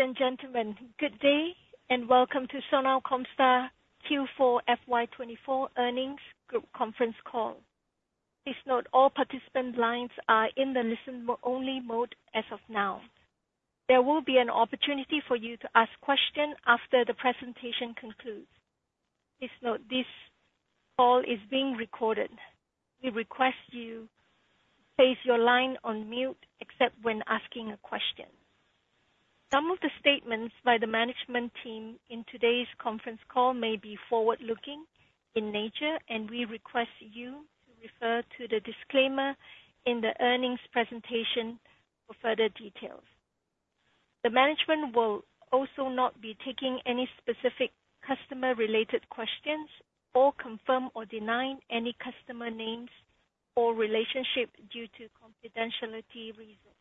Ladies and gentlemen, good day, and welcome to Sona Comstar Q4 FY 2024 earnings conference call. Please note all participant lines are in the listen-only mode as of now. There will be an opportunity for you to ask questions after the presentation concludes. Please note, this call is being recorded. We request you place your line on mute except when asking a question. Some of the statements by the management team in today's conference call may be forward-looking in nature, and we request you to refer to the disclaimer in the earnings presentation for further details. The management will also not be taking any specific customer-related questions or confirm or deny any customer names or relationship due to confidentiality reasons.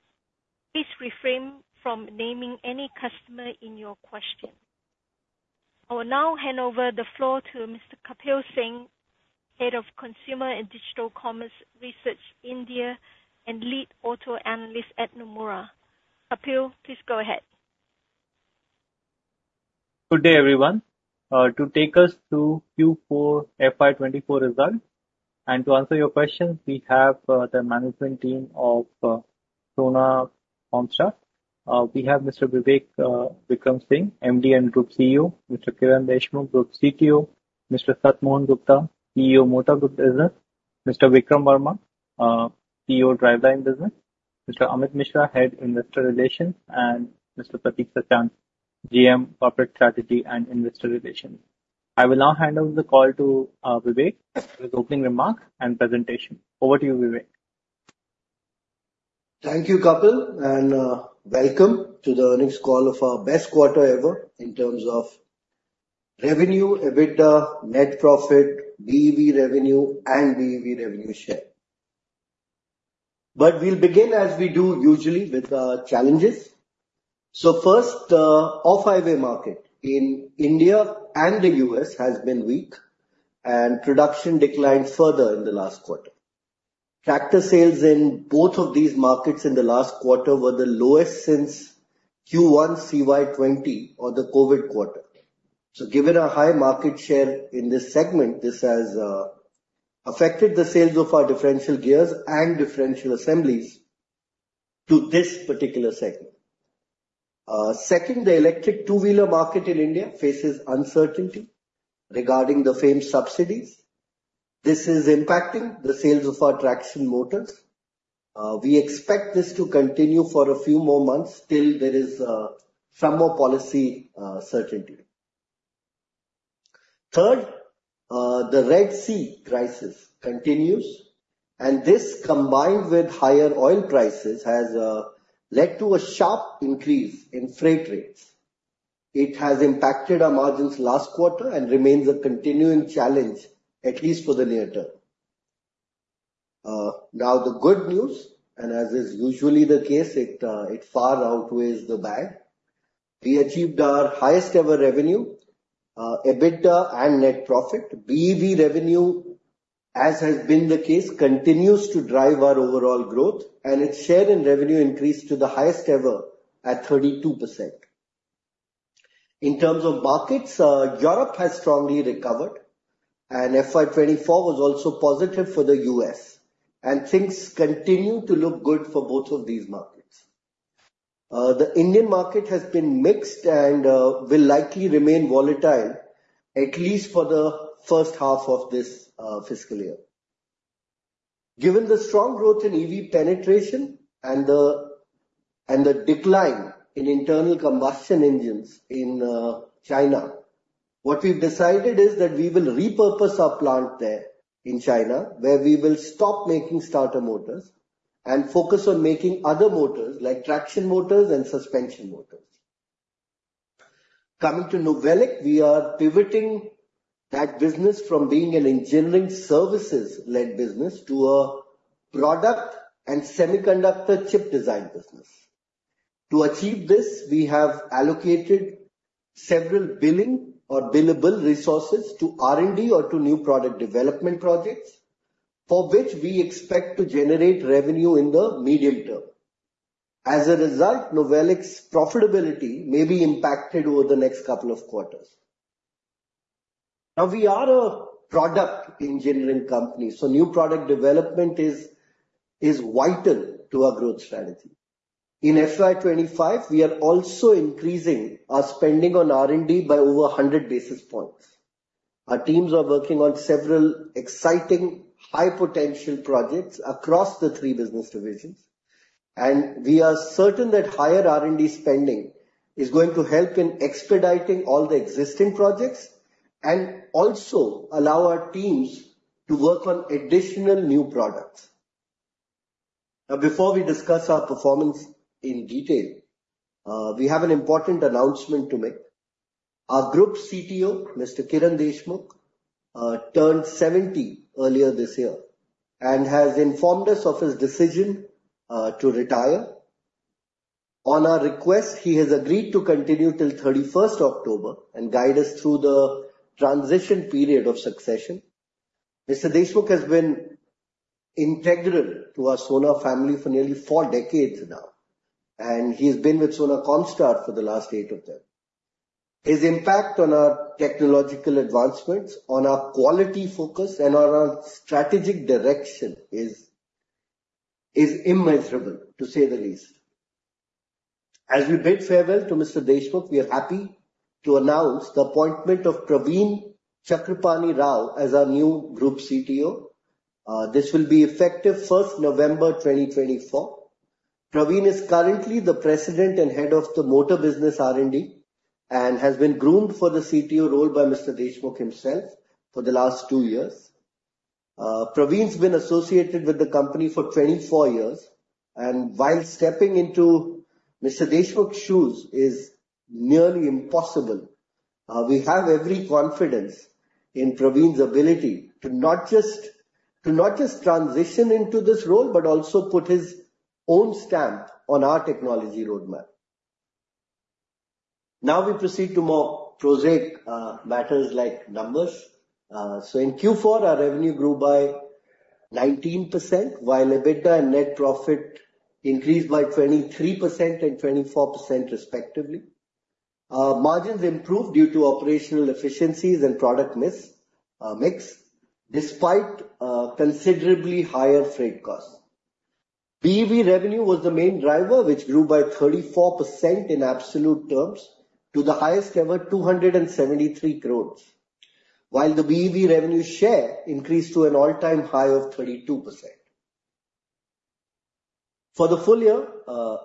Please refrain from naming any customer in your question. I will now hand over the floor to Mr. Kapil Singh, Head of Consumer and Digital Commerce Research, India, and Lead Auto Analyst at Nomura. Kapil, please go ahead. Good day, everyone. To take us through Q4 FY 2024 results and to answer your questions, we have the management team of Sona Comstar. We have Mr. Vivek Vikram Singh, MD and Group CEO, Mr. Kiran Deshmukh, Group CTO, Mr. Sat Mohan Gupta, CEO, Motor Group Business, Mr. Vikram Verma, CEO, Driveline Business, Mr. Amit Mishra, Head, Investor Relations, and Mr. Pratik Sachan, GM, Corporate Strategy and Investor Relations. I will now hand over the call to Vivek, with opening remarks and presentation. Over to you, Vivek. Thank you, Kapil, and welcome to the earnings call of our best quarter ever in terms of revenue, EBITDA, net profit, BEV revenue and BEV revenue share. But we'll begin, as we do, usually with challenges. So first, off-highway market in India and the US has been weak, and production declined further in the last quarter. Tractor sales in both of these markets in the last quarter were the lowest since Q1 CY 2020, or the COVID quarter. So given our high market share in this segment, this has affected the sales of our differential gears and differential assemblies to this particular segment. Second, the electric two-wheeler market in India faces uncertainty regarding the FAME subsidies. This is impacting the sales of our traction motors. We expect this to continue for a few more months till there is some more policy certainty. Third, the Red Sea crisis continues, and this, combined with higher oil prices, has led to a sharp increase in freight rates. It has impacted our margins last quarter and remains a continuing challenge, at least for the near term. Now, the good news, and as is usually the case, it far outweighs the bad. We achieved our highest ever revenue, EBITDA and net profit. BEV revenue, as has been the case, continues to drive our overall growth, and its share in revenue increased to the highest ever at 32%. In terms of markets, Europe has strongly recovered, and FY 2024 was also positive for the U.S., and things continue to look good for both of these markets. The Indian market has been mixed and will likely remain volatile at least for the first half of this fiscal year. Given the strong growth in EV penetration and the and the decline in internal combustion engines in China, what we've decided is that we will repurpose our plant there in China, where we will stop making starter motors and focus on making other motors, like traction motors and suspension motors. Coming to NOVELIC, we are pivoting that business from being an engineering services-led business to a product and semiconductor chip design business. To achieve this, we have allocated several billing or billable resources to R&D or to new product development projects, for which we expect to generate revenue in the medium term. As a result, NOVELIC's profitability may be impacted over the next couple of quarters. Now, we are a product engineering company, so new product development is vital to our growth strategy. In FY 2025, we are also increasing our spending on R&D by over 100 basis points. Our teams are working on several exciting, high-potential projects across the three business divisions, and we are certain that higher R&D spending is going to help in expediting all the existing projects and also allow our teams to work on additional new products. Now, before we discuss our performance in detail, we have an important announcement to make. Our Group CTO, Mr. Kiran Deshmukh, turned 70 earlier this year and has informed us of his decision to retire. On our request, he has agreed to continue till 31st October and guide us through the transition period of succession. Mr. Deshmukh has been integral to our Sona family for nearly four decades now, and he has been with Sona Comstar for the last eight of them. His impact on our technological advancements, on our quality focus, and on our strategic direction is immeasurable, to say the least. As we bid farewell to Mr. Deshmukh, we are happy to announce the appointment of Praveen Chakrapani Rao as our new Group CTO. This will be effective November 1, 2024. Praveen is currently the president and head of the motor business R&D and has been groomed for the CTO role by Mr. Deshmukh himself for the last two years. Praveen's been associated with the company for 24 years, and while stepping into Mr. Deshmukh's shoes is nearly impossible, we have every confidence in Praveen's ability to not just transition into this role, but also put his own stamp on our technology roadmap. Now, we proceed to more prosaic matters like numbers. So in Q4, our revenue grew by 19%, while EBITDA and net profit increased by 23% and 24% respectively. Margins improved due to operational efficiencies and product mix, despite considerably higher freight costs. BEV revenue was the main driver, which grew by 34% in absolute terms, to the highest ever, 273 crore, while the BEV revenue share increased to an all-time high of 32%. For the full year,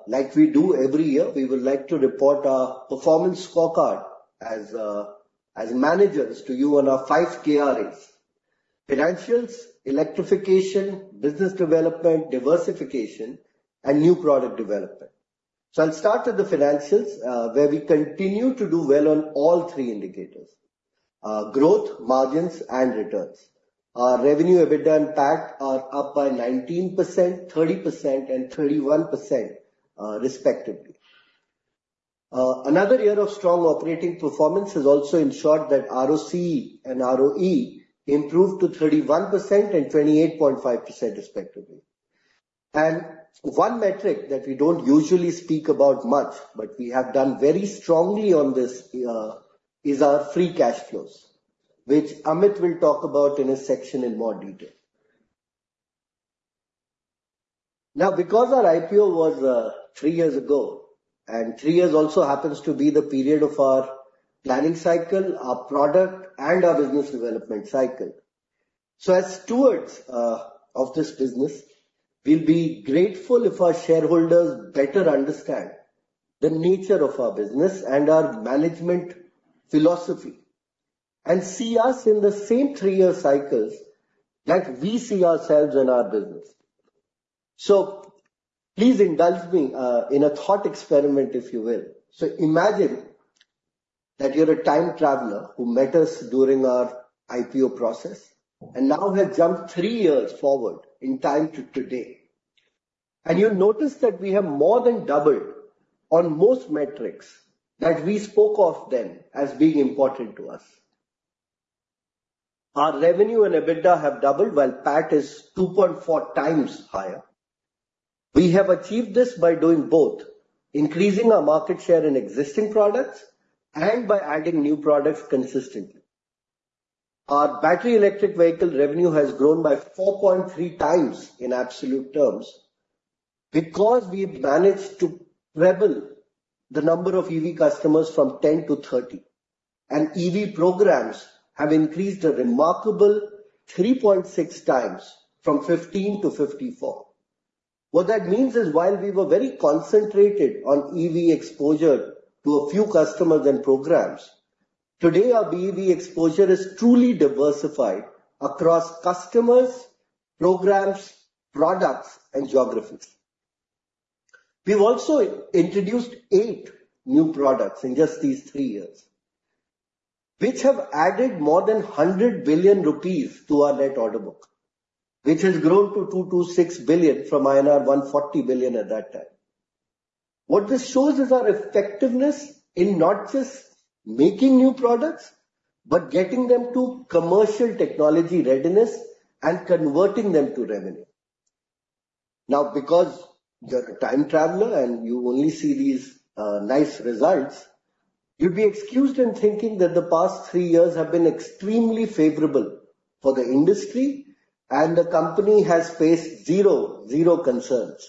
like we do every year, we would like to report our performance scorecard as managers to you on our five KRAs: financials, electrification, business development, diversification, and new product development. So I'll start with the financials, where we continue to do well on all three indicators: growth, margins, and returns. Our revenue, EBITDA, and PAT are up by 19%, 30%, and 31%, respectively. Another year of strong operating performance has also ensured that ROCE and ROE improved to 31% and 28.5%, respectively. One metric that we don't usually speak about much, but we have done very strongly on this, is our free cash flows, which Amit will talk about in his section in more detail. Now, because our IPO was three years ago, and three years also happens to be the period of our planning cycle, our product, and our business development cycle. So as stewards of this business, we'll be grateful if our shareholders better understand the nature of our business and our management philosophy, and see us in the same three-year cycles that we see ourselves and our business. So please indulge me, in a thought experiment, if you will. So imagine that you're a time traveler who met us during our IPO process and now have jumped three years forward in time to today. And you'll notice that we have more than doubled on most metrics that we spoke of then as being important to us. Our revenue and EBITDA have doubled, while PAT is 2.4x higher. We have achieved this by doing both, increasing our market share in existing products and by adding new products consistently. Our battery electric vehicle revenue has grown by 4.3x in absolute terms, because we've managed to double the number of EV customers from 10-30, and EV programs have increased a remarkable 3.6x from 15-54. What that means is, while we were very concentrated on EV exposure to a few customers and programs, today, our BEV exposure is truly diversified across customers, programs, products, and geographies. We've also introduced eight new products in just these three years, which have added more than 100 billion rupees to our net order book, which has grown to 226 billion from INR 140 billion at that time. What this shows is our effectiveness in not just making new products, but getting them to commercial technology readiness and converting them to revenue. Now, because you're a time traveler and you only see these, nice results, you'd be excused in thinking that the past three years have been extremely favorable for the industry, and the company has faced zero, zero concerns.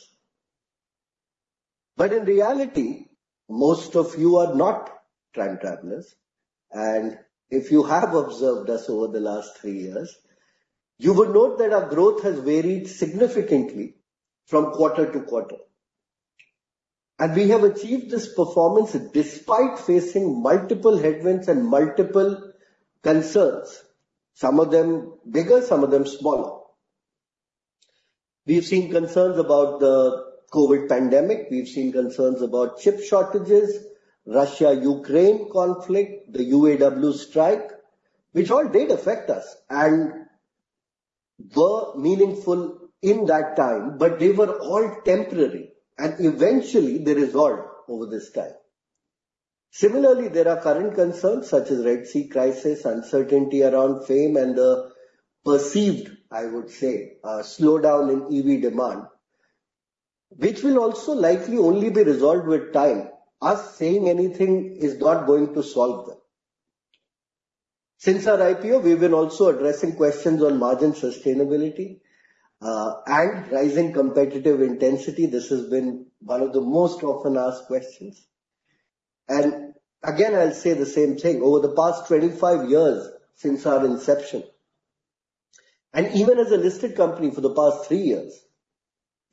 But in reality, most of you are not time travelers, and if you have observed us over the last three years, you would note that our growth has varied significantly from quarter to quarter. And we have achieved this performance despite facing multiple headwinds and multiple concerns, some of them bigger, some of them smaller. We've seen concerns about the COVID pandemic, we've seen concerns about chip shortages, Russia-Ukraine conflict, the UAW strike, which all did affect us and were meaningful in that time, but they were all temporary, and eventually they resolved over this time. Similarly, there are current concerns such as Red Sea crisis, uncertainty around FAME, and the perceived, I would say, slowdown in EV demand, which will also likely only be resolved with time. Us saying anything is not going to solve them. Since our IPO, we've been also addressing questions on margin sustainability, and rising competitive intensity. This has been one of the most often asked questions, and again, I'll say the same thing. Over the past 25 years, since our inception, and even as a listed company for the past three years,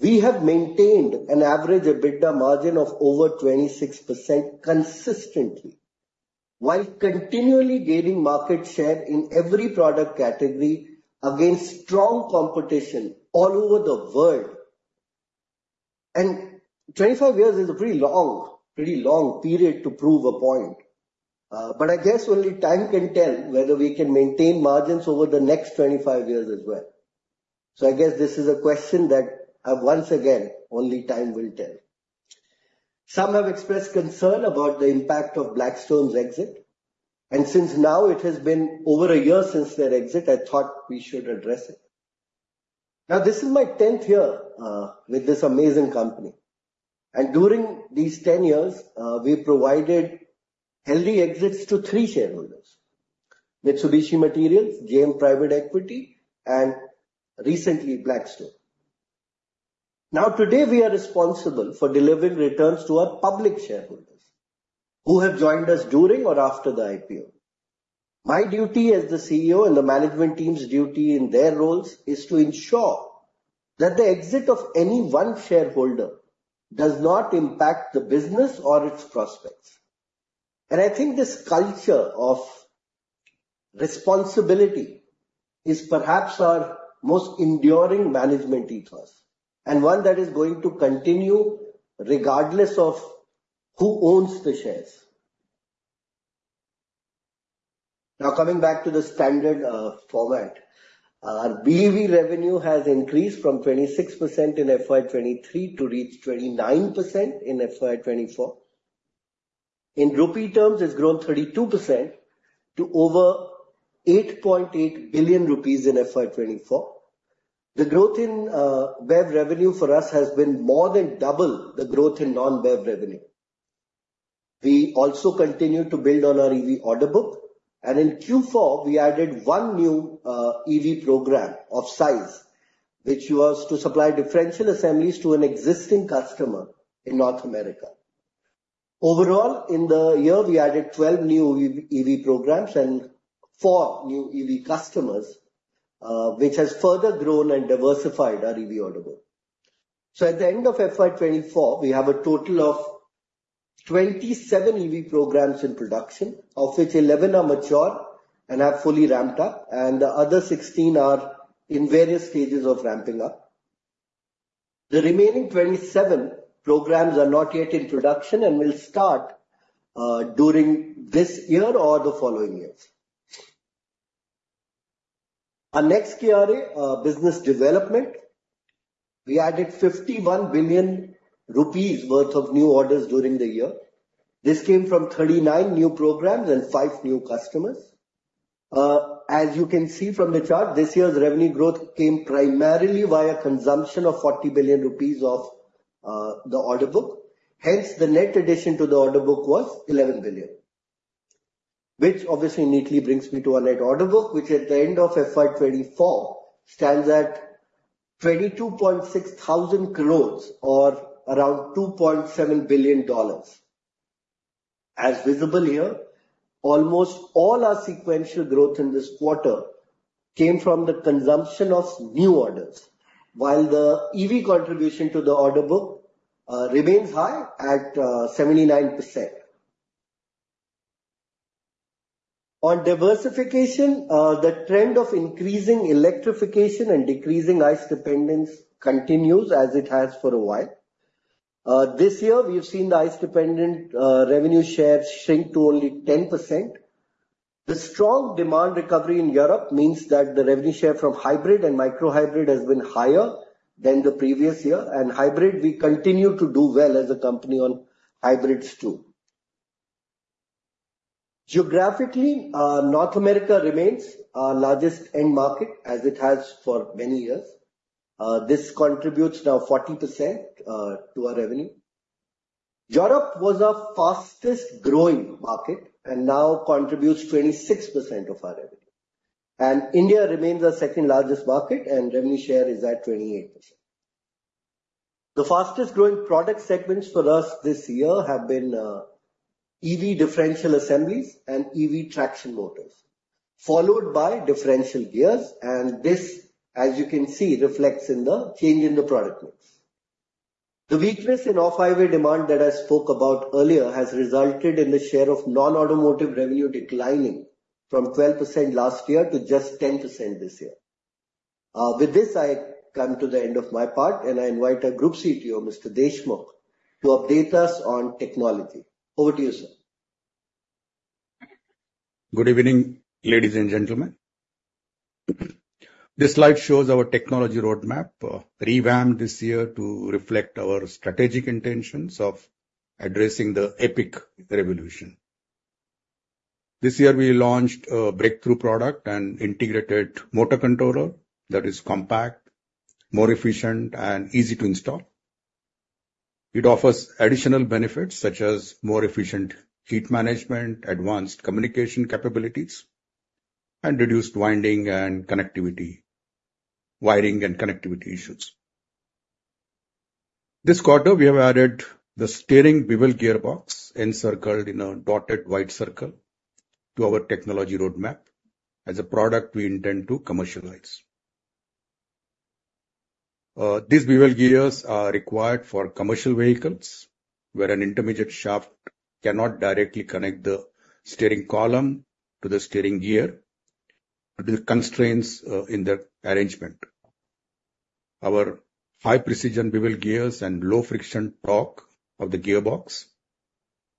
we have maintained an average EBITDA margin of over 26% consistently, while continually gaining market share in every product category against strong competition all over the world. And 25 years is a pretty long, pretty long period to prove a point, but I guess only time can tell whether we can maintain margins over the next 25 years as well. So I guess this is a question that, once again, only time will tell. Some have expressed concern about the impact of Blackstone's exit, and since now it has been over a year since their exit, I thought we should address it. Now, this is my 10th year with this amazing company, and during these 10 years, we provided healthy exits to three shareholders: Mitsubishi Materials, JM Private Equity, and recently Blackstone. Now, today, we are responsible for delivering returns to our public shareholders who have joined us during or after the IPO. My duty as the CEO, and the management team's duty in their roles, is to ensure that the exit of any one shareholder does not impact the business or its prospects. And I think this culture of responsibility is perhaps our most enduring management ethos and one that is going to continue regardless of who owns the shares. Now, coming back to the standard format. Our BEV revenue has increased from 26% in FY 2023 to reach 29% in FY 2024. In rupee terms, it's grown 32% to over 8.8 billion rupees in FY 2024. The growth in BEV revenue for us has been more than double the growth in non-BEV revenue. We also continued to build on our EV order book, and in Q4, we added one new EV program of size, which was to supply differential assemblies to an existing customer in North America. Overall, in the year, we added 12 new EV programs and four new EV customers, which has further grown and diversified our EV order book. So at the end of FY 2024, we have a total of 27 EV programs in production, of which 11 are mature and are fully ramped up, and the other 16 are in various stages of ramping up. The remaining 27 programs are not yet in production and will start during this year or the following years. Our next KRA, business development. We added 51 billion rupees worth of new orders during the year. This came from 39 new programs and five new customers. As you can see from the chart, this year's revenue growth came primarily via consumption of 40 billion rupees of the order book. Hence, the net addition to the order book was 11 billion, which obviously neatly brings me to our net order book, which at the end of FY 2024, stands at 22,600 crore or around $2.7 billion. As visible here, almost all our sequential growth in this quarter came from the consumption of new orders, while the EV contribution to the order book remains high at 79%. On diversification, the trend of increasing electrification and decreasing ICE dependence continues as it has for a while. This year, we've seen the ICE-dependent revenue share shrink to only 10%. The strong demand recovery in Europe means that the revenue share from hybrid and micro hybrid has been higher than the previous year, and hybrid, we continue to do well as a company on hybrids, too. Geographically, North America remains our largest end market, as it has for many years. This contributes now 40% to our revenue. Europe was our fastest growing market and now contributes 26% of our revenue. India remains our second-largest market, and revenue share is at 28%. The fastest growing product segments for us this year have been EV differential assemblies and EV traction motors, followed by differential gears, and this, as you can see, reflects in the change in the product mix. The weakness in off-highway demand that I spoke about earlier, has resulted in the share of non-automotive revenue declining from 12% last year to just 10% this year. With this, I come to the end of my part, and I invite our Group CTO, Mr Deshmukh, to update us on technology. Over to you, sir.... Good evening, ladies and gentlemen. This slide shows our technology roadmap, revamped this year to reflect our strategic intentions of addressing the EPIC revolution. This year, we launched a breakthrough product, an Integrated Motor Controller that is compact, more efficient, and easy to install. It offers additional benefits, such as more efficient heat management, advanced communication capabilities, and reduced wiring and connectivity issues. This quarter, we have added the Steering Bevel Gearbox, encircled in a dotted white circle, to our technology roadmap as a product we intend to commercialize. These bevel gears are required for commercial vehicles, where an intermediate shaft cannot directly connect the steering column to the steering gear, due to constraints in that arrangement. Our high-precision bevel gears and low-friction torque of the gearbox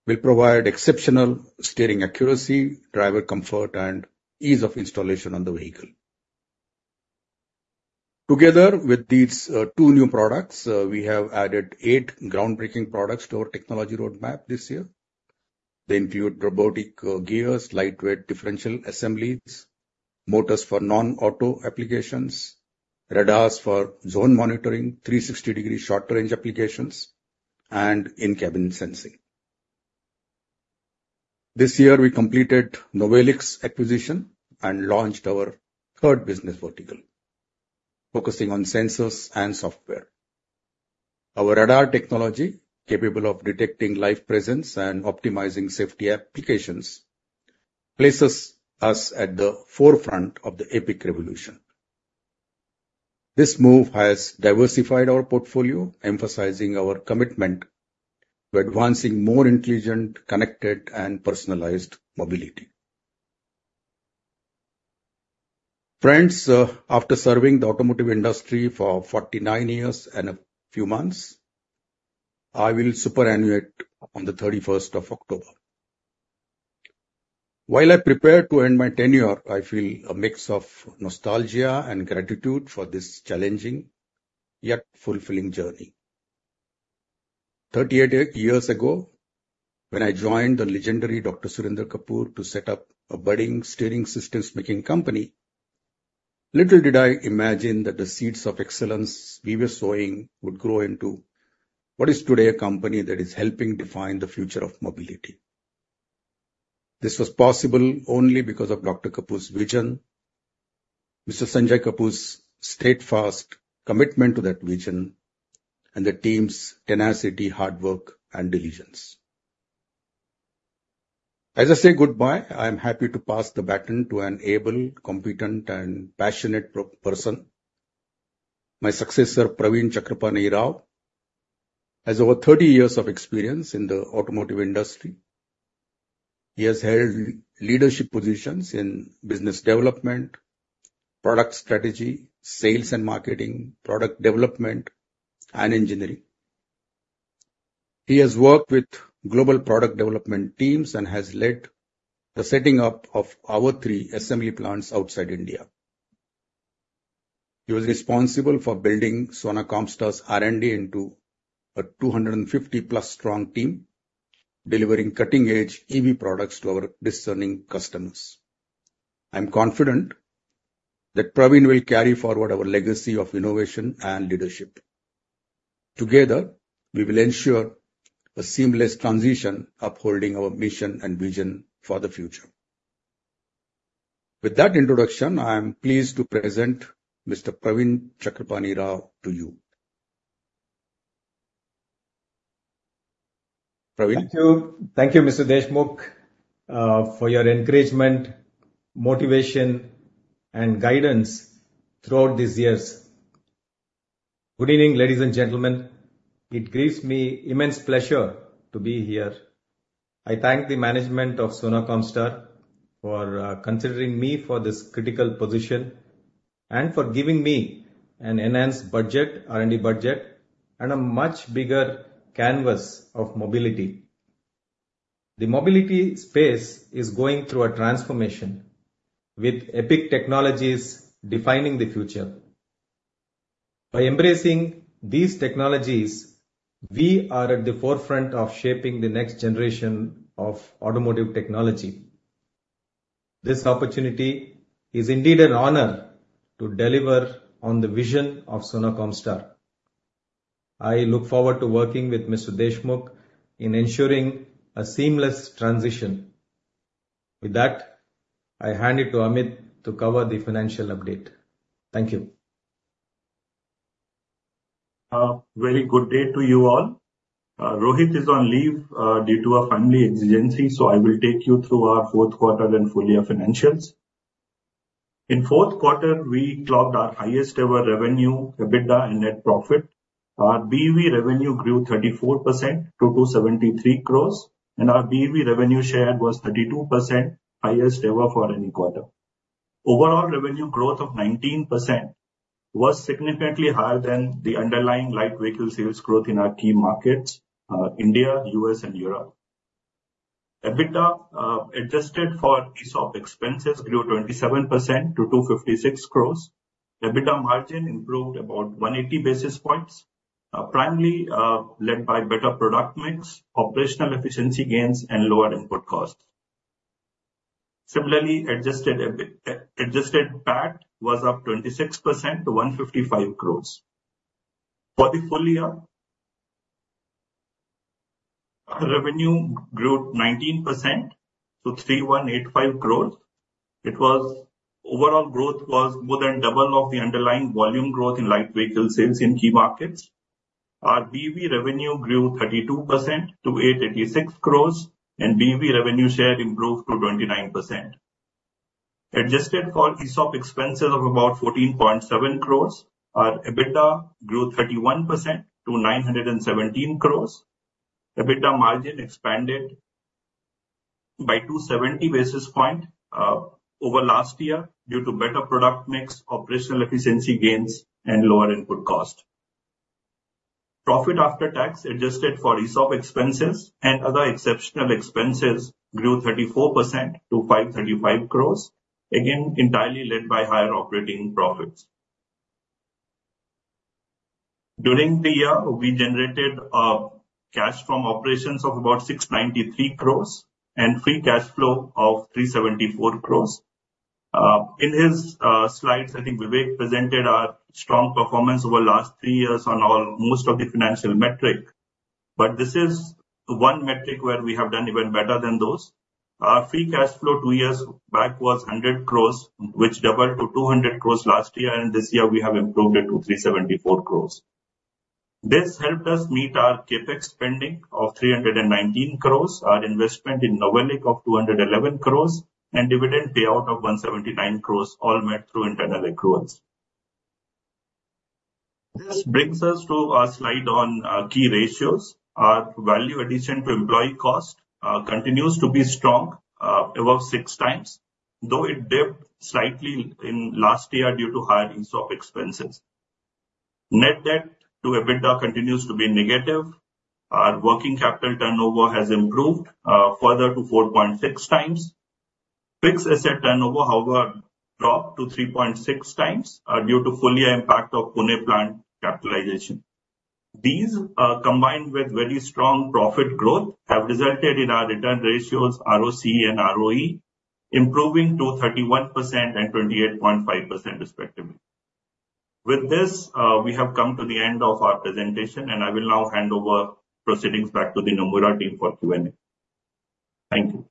will provide exceptional steering accuracy, driver comfort, and ease of installation on the vehicle. Together with these, two new products, we have added eight groundbreaking products to our technology roadmap this year. They include robotic gears, lightweight differential assemblies, motors for non-auto applications, radars for zone monitoring, 360-degree short-range applications, and in-cabin sensing. This year, we completed NOVELIC acquisition and launched our third business vertical, focusing on sensors and software. Our radar technology, capable of detecting life presence and optimizing safety applications, places us at the forefront of the EPIC revolution. This move has diversified our portfolio, emphasizing our commitment to advancing more intelligent, connected, and personalized mobility. Friends, after serving the automotive industry for 49 years and a few months, I will superannuate on the 31st of October. While I prepare to end my tenure, I feel a mix of nostalgia and gratitude for this challenging, yet fulfilling journey. 38 years ago, when I joined the legendary Dr. Surinder Kapur to set up a budding steering systems making company, little did I imagine that the seeds of excellence we were sowing would grow into what is today a company that is helping define the future of mobility. This was possible only because of Dr. Kapur's vision, Mr. Sunjay Kapur's steadfast commitment to that vision, and the team's tenacity, hard work, and diligence. As I say goodbye, I am happy to pass the baton to an able, competent, and passionate person. My successor, Praveen Chakrapani Rao, has over 30 years of experience in the automotive industry. He has held leadership positions in business development, product strategy, sales and marketing, product development, and engineering. He has worked with global product development teams and has led the setting up of our three assembly plants outside India. He was responsible for building Sona Comstar's R&D into a 250+ strong team, delivering cutting-edge EV products to our discerning customers. I am confident that Praveen will carry forward our legacy of innovation and leadership. Together, we will ensure a seamless transition, upholding our mission and vision for the future. With that introduction, I am pleased to present Mr. Praveen Chakrapani Rao to you. Praveen? Thank you. Thank you, Mr. Deshmukh, for your encouragement, motivation, and guidance throughout these years. Good evening, ladies and gentlemen. It gives me immense pleasure to be here. I thank the management of Sona Comstar for considering me for this critical position, and for giving me an enhanced budget, R&D budget, and a much bigger canvas of mobility. The mobility space is going through a transformation, with epic technologies defining the future. By embracing these technologies, we are at the forefront of shaping the next generation of automotive technology. This opportunity is indeed an honor to deliver on the vision of Sona Comstar. I look forward to working with Mr. Deshmukh in ensuring a seamless transition. With that, I hand it to Amit to cover the financial update. Thank you. Very good day to you all. Rohit is on leave due to a family exigency, so I will take you through our fourth quarter and full year financials. In fourth quarter, we clocked our highest ever revenue, EBITDA and net profit. Our BEV revenue grew 34% to 273 crore, and our BEV revenue share was 32%, highest ever for any quarter. Overall, revenue growth of 19% was significantly higher than the underlying light vehicle sales growth in our key markets, India, US and Europe. EBITDA, adjusted for ESOP expenses grew 27% to 256 crore. EBITDA margin improved about 180 basis points, primarily led by better product mix, operational efficiency gains and lower input costs. Similarly, adjusted PAT was up 26% to 155 crore. For the full year, revenue grew 19% to 3,185 crores. Overall growth was more than double of the underlying volume growth in light vehicle sales in key markets. Our BV revenue grew 32% to 886 crores, and BV revenue share improved to 29%. Adjusted for ESOP expenses of about 14.7 crores, our EBITDA grew 31% to 917 crores. EBITDA margin expanded by 270 basis points over last year due to better product mix, operational efficiency gains and lower input cost. Profit after tax, adjusted for ESOP expenses and other exceptional expenses, grew 34% to 535 crores, again, entirely led by higher operating profits. During the year, we generated cash from operations of about 693 crores and free cash flow of 374 crores. In his slides, I think Vivek presented our strong performance over the last three years on all most of the financial metric, but this is one metric where we have done even better than those. Our free cash flow two years back was 100 crores, which doubled to 200 crores last year, and this year we have improved it to 374 crores. This helped us meet our CapEx spending of 319 crores, our investment in NOVELIC of 211 crores, and dividend payout of 179 crores, all met through internal accruals. This brings us to our slide on key ratios. Our value addition to employee cost continues to be strong above 6 times, though it dipped slightly in last year due to higher ESOP expenses. Net debt to EBITDA continues to be negative. Our working capital turnover has improved further to 4.6x. Fixed asset turnover, however, dropped to 3.6 times due to full year impact of Pune plant capitalization. These combined with very strong profit growth have resulted in our return ratios, ROCE and ROE, improving to 31% and 28.5%, respectively. With this, we have come to the end of our presentation, and I will now hand over proceedings back to the Nomura team for Q&A. Thank you.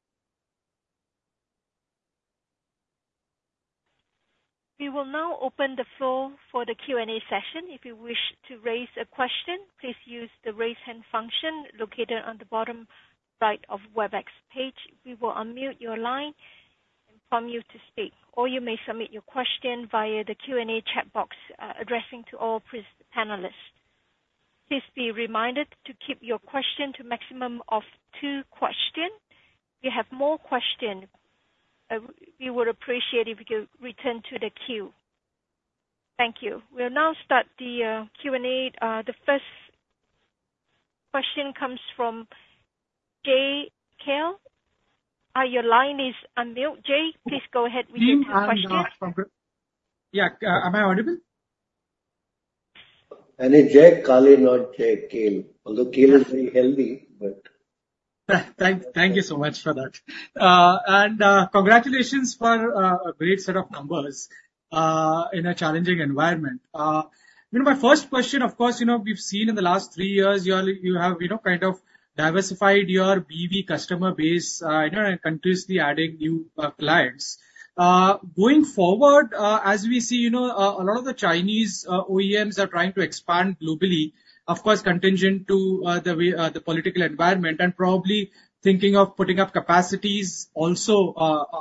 We will now open the floor for the Q&A session. If you wish to raise a question, please use the Raise Hand function located on the bottom right of Webex page. We will unmute your line and prompt you to speak, or you may submit your question via the Q&A chat box, addressing to all panelists. Please be reminded to keep your question to maximum of two question. If you have more question, we would appreciate if you could return to the queue. Thank you. We'll now start the Q&A. The first question comes from Jay Kale. Your line is unmute, Jay. Please go ahead with your question. Yeah, am I audible? It's Jay Kale, not Jay Cale. Although, kale is very healthy, but... Thank you so much for that. Congratulations for a great set of numbers in a challenging environment. You know, my first question, of course, you know, we've seen in the last three years, you all- you have, you know, kind of diversified your BV customer base, you know, and continuously adding new clients. Going forward, as we see, you know, a lot of the Chinese OEMs are trying to expand globally, of course, contingent to the way the political environment, and probably thinking of putting up capacities also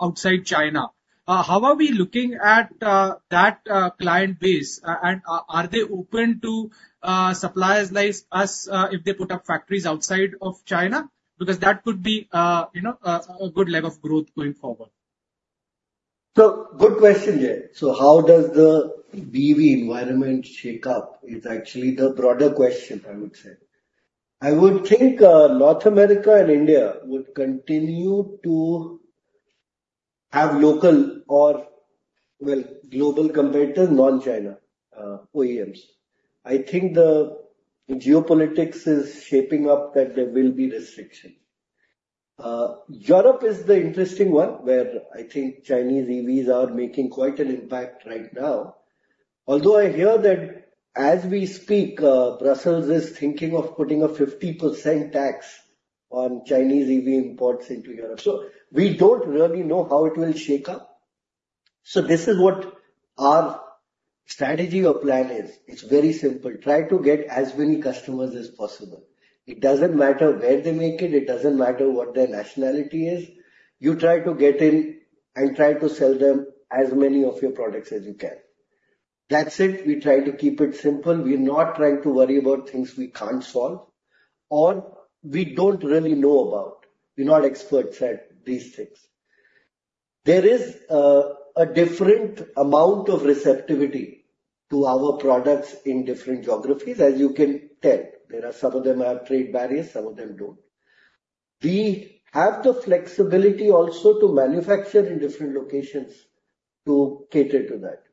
outside China. How are we looking at that client base? And are they open to suppliers like us if they put up factories outside of China? Because that could be, you know, a good leg of growth going forward. So good question, Jay. So how does the BV environment shake up is actually the broader question, I would say. I would think, North America and India would continue to have local or, well, global competitors, non-China, OEMs. I think the geopolitics is shaping up that there will be restrictions. Europe is the interesting one, where I think Chinese EVs are making quite an impact right now. Although I hear that as we speak, Brussels is thinking of putting a 50% tax on Chinese EV imports into Europe. So we don't really know how it will shake up. So this is what our strategy or plan is. It's very simple: Try to get as many customers as possible. It doesn't matter where they make it, it doesn't matter what their nationality is. You try to get in and try to sell them as many of your products as you can. ...That's it. We try to keep it simple. We're not trying to worry about things we can't solve or we don't really know about. We're not experts at these things. There is a different amount of receptivity to our products in different geographies, as you can tell. There are, some of them have trade barriers, some of them don't. We have the flexibility also to manufacture in different locations to cater to that,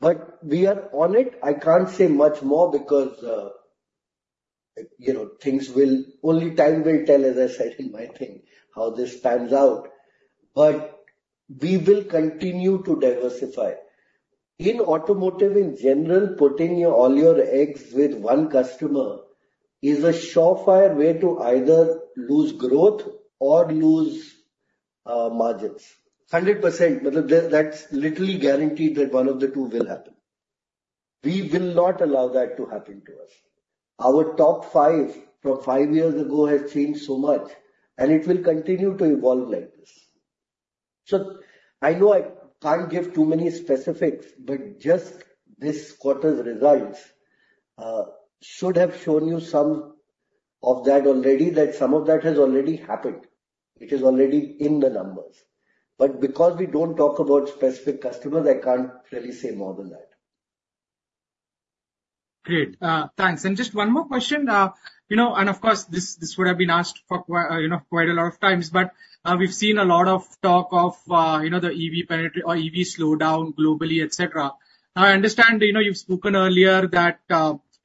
but we are on it. I can't say much more because, you know, things will-- only time will tell, as I said in my thing, how this pans out, but we will continue to diversify. In automotive, in general, putting all your eggs with one customer is a surefire way to either lose growth or lose margins. 100%, but that's literally guaranteed that one of the two will happen. We will not allow that to happen to us. Our top five from five years ago has changed so much, and it will continue to evolve like this. So I know I can't give too many specifics, but just this quarter's results should have shown you some of that already, that some of that has already happened. It is already in the numbers. But because we don't talk about specific customers, I can't really say more than that. Great, thanks. And just one more question. You know, and, of course, this would have been asked for quite, you know, quite a lot of times, but, we've seen a lot of talk of, you know, the EV penetration or EV slowdown globally, et cetera. Now, I understand, you know, you've spoken earlier that,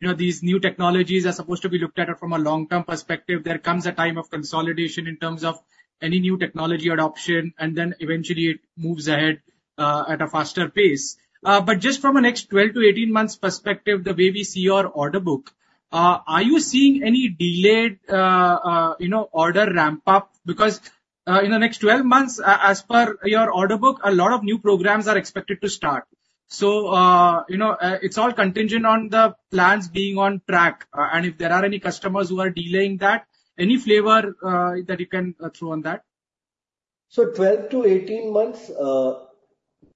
you know, these new technologies are supposed to be looked at it from a long-term perspective. There comes a time of consolidation in terms of any new technology adoption, and then eventually it moves ahead, at a faster pace. But just from a next 12-18 months perspective, the way we see your order book, are you seeing any delayed, you know, order ramp-up? Because, in the next 12 months, as per your order book, a lot of new programs are expected to start. So, you know, it's all contingent on the plans being on track, and if there are any customers who are delaying that, any flavor that you can throw on that? So 12-18 months,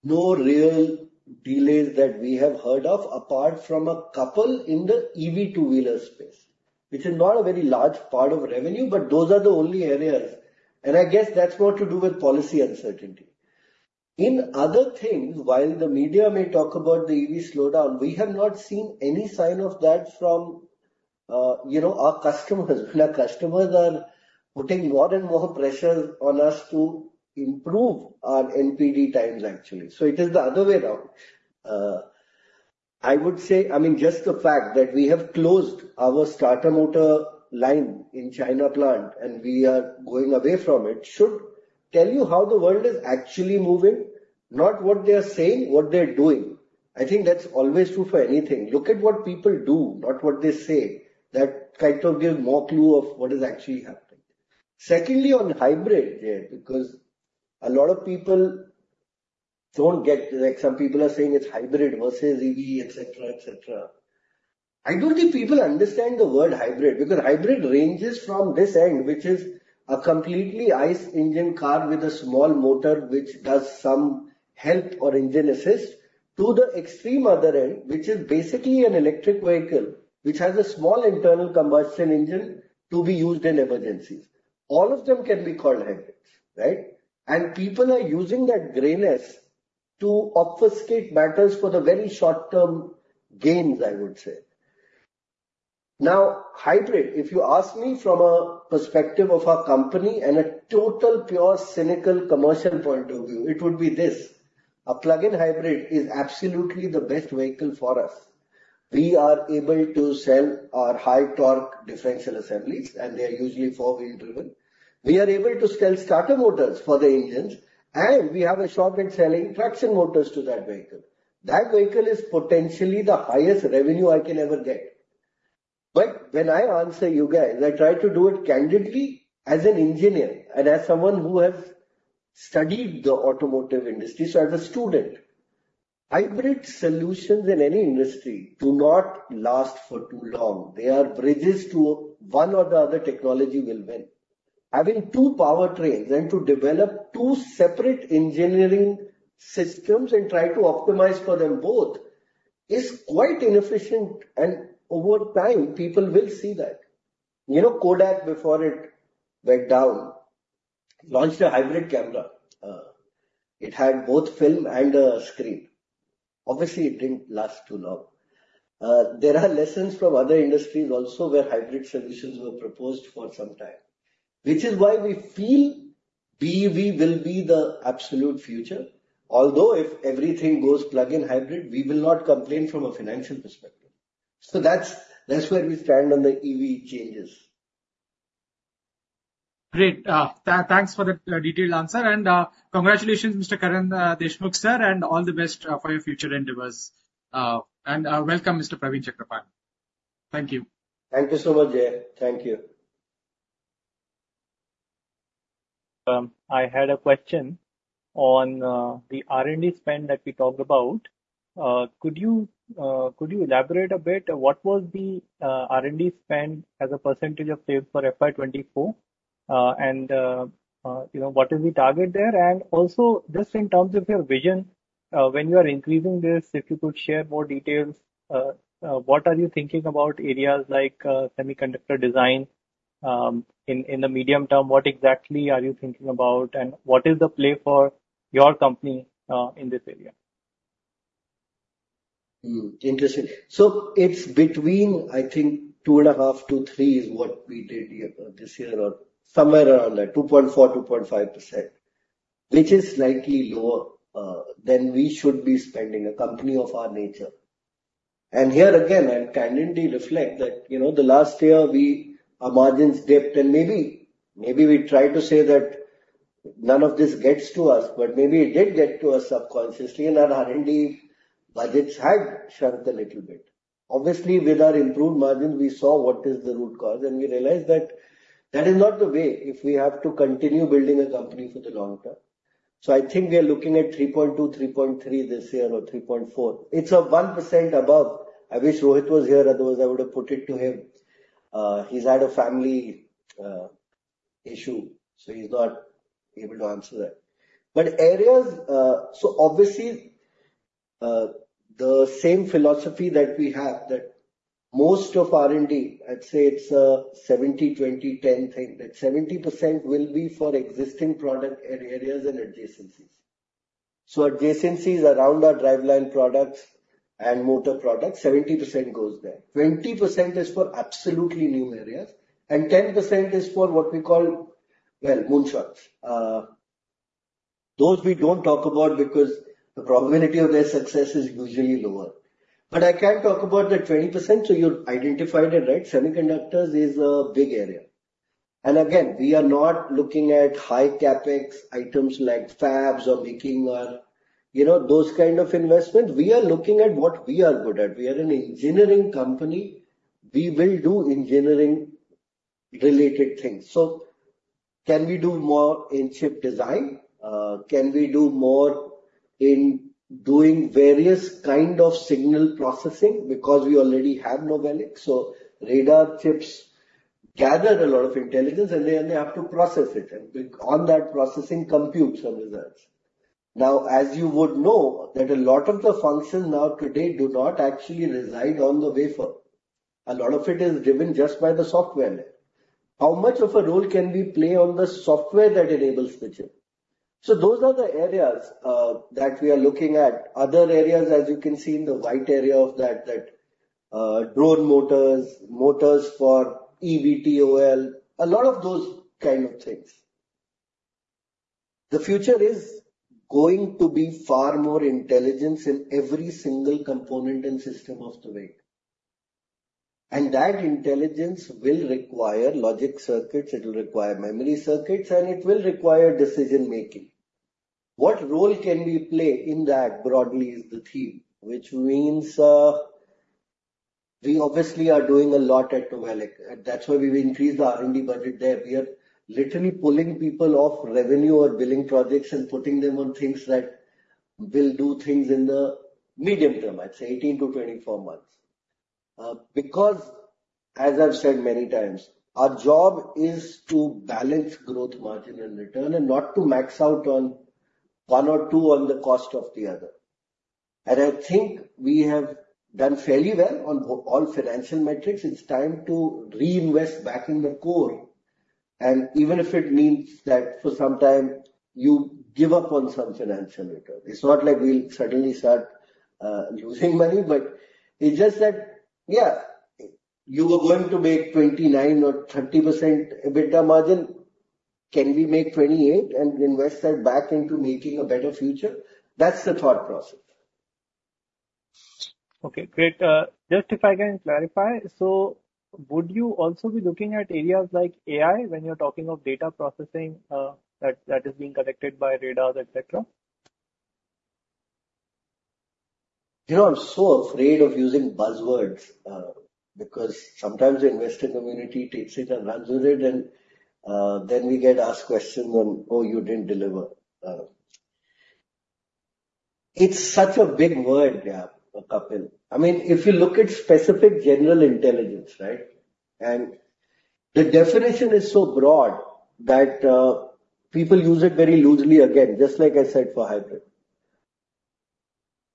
no real delays that we have heard of, apart from a couple in the EV two-wheeler space, which is not a very large part of revenue, but those are the only areas, and I guess that's more to do with policy uncertainty. In other things, while the media may talk about the EV slowdown, we have not seen any sign of that from, you know, our customers. Our customers are putting more and more pressure on us to improve our NPD times, actually. So it is the other way around. I would say, I mean, just the fact that we have closed our starter motor line in China plant and we are going away from it, should tell you how the world is actually moving, not what they are saying, what they're doing. I think that's always true for anything. Look at what people do, not what they say. That kind of gives more clue of what is actually happening. Secondly, on hybrid, Jay, because a lot of people don't get... Like, some people are saying it's hybrid versus EV, et cetera, et cetera. I don't think people understand the word hybrid, because hybrid ranges from this end, which is a completely ICE engine car with a small motor, which does some help or engine assist, to the extreme other end, which is basically an electric vehicle, which has a small internal combustion engine to be used in emergencies. All of them can be called hybrids, right? And people are using that grayness to obfuscate matters for the very short-term gains, I would say. Now, hybrid, if you ask me from a perspective of our company and a total pure, cynical, commercial point of view, it would be this: a plug-in hybrid is absolutely the best vehicle for us. We are able to sell our high torque differential assemblies, and they are usually four-wheel driven. We are able to sell starter motors for the engines, and we have a shot in selling traction motors to that vehicle. That vehicle is potentially the highest revenue I can ever get. But when I answer you guys, I try to do it candidly as an engineer and as someone who has studied the automotive industry, so as a student. Hybrid solutions in any industry do not last for too long. They are bridges to one or the other technology will win. Having two powertrains and to develop two separate engineering systems and try to optimize for them both is quite inefficient, and over time, people will see that. You know, Kodak, before it went down, launched a hybrid camera. It had both film and a screen. Obviously, it didn't last too long. There are lessons from other industries also, where hybrid solutions were proposed for some time, which is why we feel BEV will be the absolute future, although if everything goes plug-in hybrid, we will not complain from a financial perspective. So that's, that's where we stand on the EV changes. Great. Thanks for the detailed answer, and congratulations, Mr. Kiran Deshmukh, sir, and all the best for your future endeavors. Welcome, Mr. Praveen Chakrapani. Thank you. Thank you so much, Jay. Thank you. I had a question on the R&D spend that we talked about. Could you elaborate a bit on what was the R&D spend as a percentage of sales for FY 2024?... and you know, what is the target there? And also, just in terms of your vision, when you are increasing this, if you could share more details, what are you thinking about areas like semiconductor design? In the medium term, what exactly are you thinking about, and what is the play for your company in this area? Hmm, interesting. So it's between, I think, 2.5-3 is what we did here this year, or somewhere around two point four, 2.5%, which is slightly lower than we should be spending, a company of our nature. And here again, I candidly reflect that, you know, the last year our margins dipped, and maybe, maybe we tried to say that none of this gets to us, but maybe it did get to us subconsciously, and our R&D budgets had shrunk a little bit. Obviously, with our improved margins, we saw what is the root cause, and we realized that that is not the way if we have to continue building a company for the long term. So I think we are looking at 3.2, 3.3 this year, or 3.4. It's 1% above. I wish Rohit was here, otherwise I would have put it to him. He's had a family issue, so he's not able to answer that. But areas—so obviously, the same philosophy that we have, that most of R&D, I'd say it's a 70, 20, 10 thing, that 70% will be for existing product areas and adjacencies. So adjacencies around our driveline products and motor products, 70% goes there. 20% is for absolutely new areas, and 10% is for what we call, well, moonshots. Those we don't talk about because the probability of their success is usually lower. But I can talk about the 20%, so you identified it, right? Semiconductors is a big area. And again, we are not looking at high CapEx items like fabs or making or, you know, those kind of investment. We are looking at what we are good at. We are an engineering company. We will do engineering-related things. So can we do more in chip design? Can we do more in doing various kind of signal processing? Because we already have NOVELIC, so radar chips gathered a lot of intelligence, and then they have to process it, and we— on that processing, computes some results. Now, as you would know, that a lot of the functions now today do not actually reside on the wafer. A lot of it is driven just by the software. How much of a role can we play on the software that enables the chip? So those are the areas that we are looking at. Other areas, as you can see in the white area of that, drone motors, motors for EVTOL, a lot of those kind of things. The future is going to be far more intelligence in every single component and system of the vehicle. And that intelligence will require logic circuits, it'll require memory circuits, and it will require decision-making. What role can we play in that, broadly, is the theme, which means, we obviously are doing a lot at NOVELIC. That's why we've increased the R&D budget there. We are literally pulling people off revenue or billing projects and putting them on things that will do things in the medium term, I'd say 18-24 months. Because, as I've said many times, our job is to balance growth, margin and return, and not to max out on one or two on the cost of the other. And I think we have done fairly well on all financial metrics. It's time to reinvest back in the core, and even if it means that for some time you give up on some financial return. It's not like we'll suddenly start losing money, but it's just that, yeah, you were going to make 29% or 30% EBITDA margin. Can we make 28% and invest that back into making a better future? That's the thought process. Okay, great. Just if I can clarify: so would you also be looking at areas like AI when you're talking of data processing, that is being collected by radars, et cetera? You know, I'm so afraid of using buzzwords, because sometimes the investor community takes it and runs with it, and then we get asked questions on, "Oh, you didn't deliver." It's such a big word there, Kapil. I mean, if you look at specific general intelligence, right? And the definition is so broad that people use it very loosely again, just like I said, for hybrid.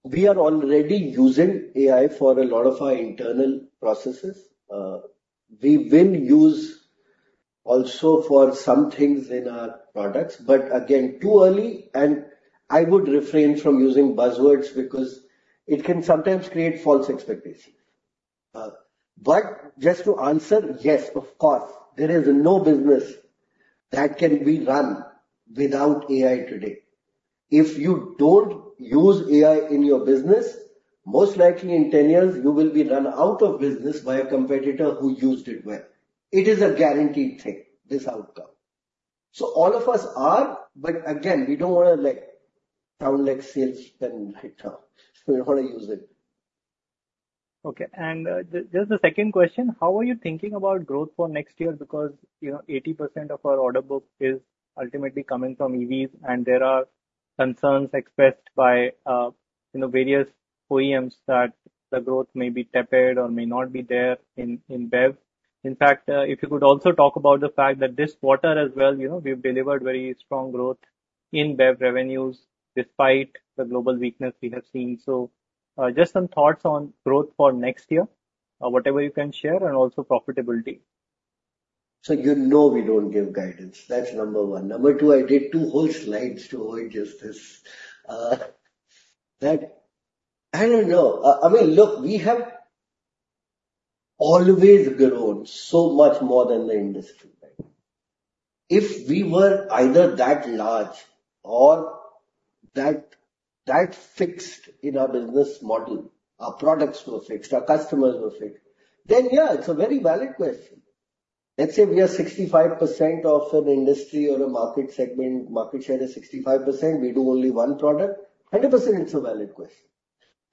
We are already using AI for a lot of our internal processes. We will use also for some things in our products, but again, too early, and I would refrain from using buzzwords because it can sometimes create false expectations. But just to answer, yes, of course, there is no business that can be run without AI today. If you don't use AI in your business, most likely in 10 years, you will be run out of business by a competitor who used it well. It is a guaranteed thing, this outcome. So all of us are, but again, we don't want to, like, sound like salesmen right now, so we don't want to use it. Okay. And, just a second question: How are you thinking about growth for next year? Because, you know, 80% of our order book is ultimately coming from EVs, and there are concerns expressed by, you know, various OEMs, that the growth may be tepid or may not be there in BEV. In fact, if you could also talk about the fact that this quarter as well, you know, we've delivered very strong growth in BEV revenues despite the global weakness we have seen. So, just some thoughts on growth for next year, or whatever you can share, and also profitability. So you know we don't give guidance. That's number one. Number two, I did two whole slides to avoid just this. That I don't know. Look, we have always grown so much more than the industry, right? If we were either that large or that, that fixed in our business model, our products were fixed, our customers were fixed, then, yeah, it's a very valid question. Let's say we are 65% of an industry or a market segment, market share is 65%, we do only one product, 100% it's a valid question.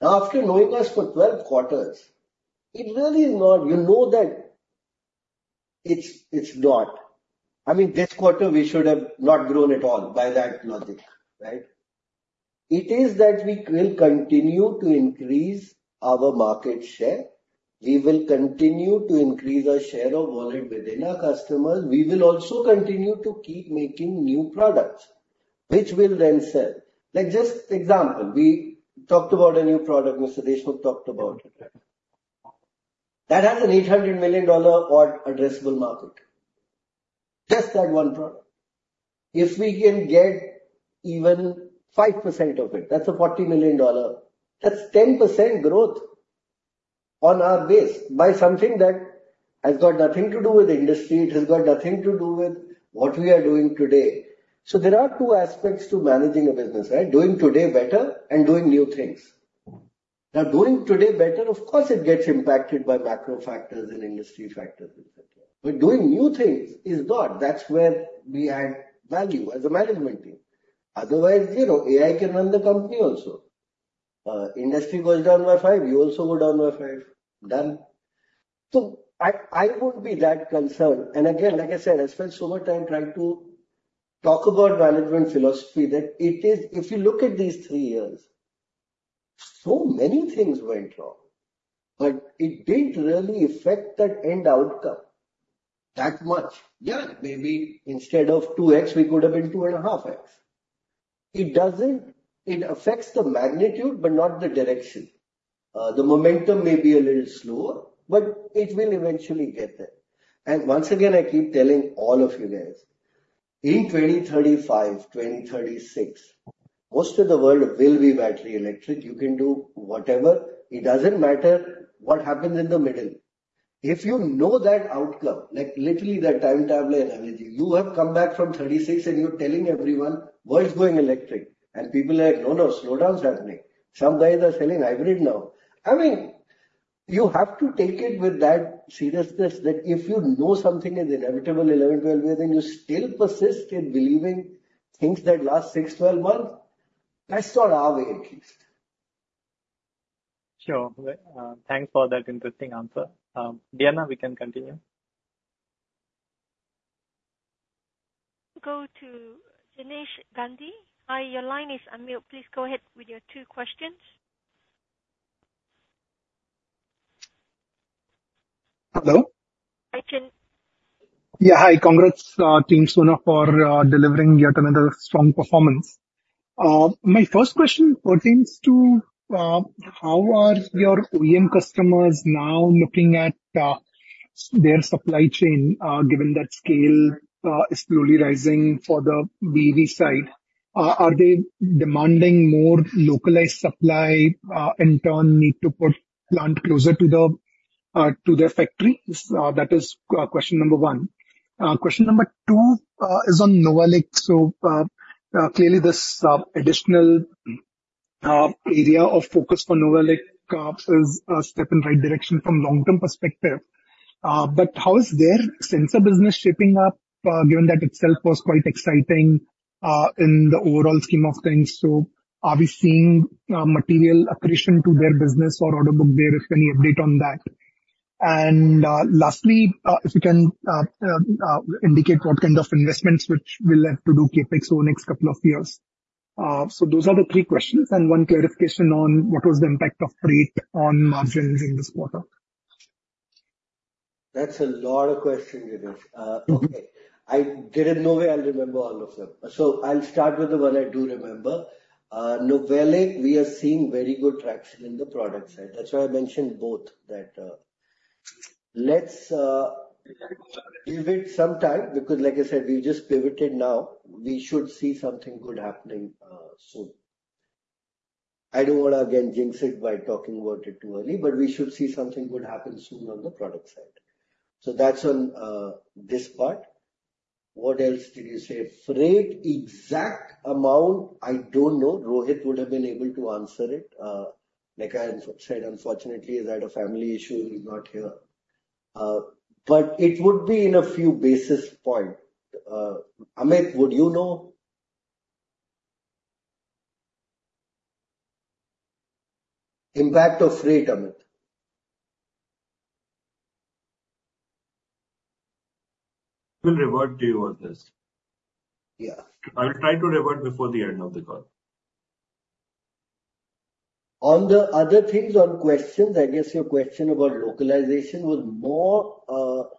Now, after knowing us for 12 quarters, it really is not. You know that it's, it's not. I mean, this quarter we should have not grown at all by that logic, right? It is that we will continue to increase our market share. We will continue to increase our share of wallet within our customers. We will also continue to keep making new products, which will then sell. Like just example, we talked about a new product, Mr. Deshmukh talked about it. That has an $800 million-odd addressable market. Just that one product. If we can get even 5% of it, that's a $40 million. That's 10% growth on our base by something that has got nothing to do with the industry, it has got nothing to do with what we are doing today. So there are two aspects to managing a business, right? Doing today better and doing new things. Now, doing today better, of course, it gets impacted by macro factors and industry factors, et cetera. But doing new things is not. That's where we add value as a management team. Otherwise, you know, AI can run the company also. Industry goes down by five, you also go down by five. Done. So I won't be that concerned. And again, like I said, I spent so much time trying to talk about management philosophy, that it is... If you look at these three years, so many things went wrong, but it didn't really affect that end outcome that much. Yeah, maybe instead of 2x, we could have been 2.5x. It doesn't. It affects the magnitude, but not the direction. The momentum may be a little slower, but it will eventually get there. And once again, I keep telling all of you guys, in 2035, 2036, most of the world will be battery electric. You can do whatever. It doesn't matter what happens in the middle. If you know that outcome, like literally the timetable and everything, you have come back from 36 and you're telling everyone, "World's going electric." And people are like, "No, no, slowdown's happening. Some guys are selling hybrid now." I mean, you have to take it with that seriousness, that if you know something is inevitable 11-12 years, and you still persist in believing things that last 6-12 months, that's not our way, at least. Sure. Well, thanks for that interesting answer. Diana, we can continue. Go to Jinesh Gandhi. Hi, your line is unmuted. Please go ahead with your two questions. Hello? Hi, Jinesh. Yeah, hi. Congrats, team Sona, for delivering yet another strong performance. My first question pertains to how are your OEM customers now looking at their supply chain given that scale is slowly rising for the BEV side? Are they demanding more localized supply, in turn, need to put plant closer to the to their factories? That is question number one. Question number two is on NOVELIC. So clearly this additional area of focus for NOVELIC is a step in right direction from long-term perspective. But how is their sensor business shaping up given that itself was quite exciting in the overall scheme of things? So are we seeing material accretion to their business or order book there? If any update on that. Lastly, if you can indicate what kind of investments which we'll have to do CapEx over the next couple of years? Those are the three questions, and one clarification on what was the impact of freight on margins in this quarter? That's a lot of questions, Jinesh. Okay. Mm-hmm. There is no way I'll remember all of them. So I'll start with the one I do remember. NOVELIC, we are seeing very good traction in the product side. That's why I mentioned both, that, let's, give it some time, because like I said, we just pivoted now. We should see something good happening soon. I don't want to again jinx it by talking about it too early, but we should see something good happen soon on the product side. So that's on this part. What else did you say? Freight, exact amount, I don't know. Rohit would have been able to answer it. Like I said, unfortunately, he's had a family issue, he's not here. But it would be in a few basis point. Amit, would you know? Impact of freight, Amit. ... We'll revert to you on this. Yeah. I'll try to revert before the end of the call. On the other things, on questions, I guess your question about localization was more,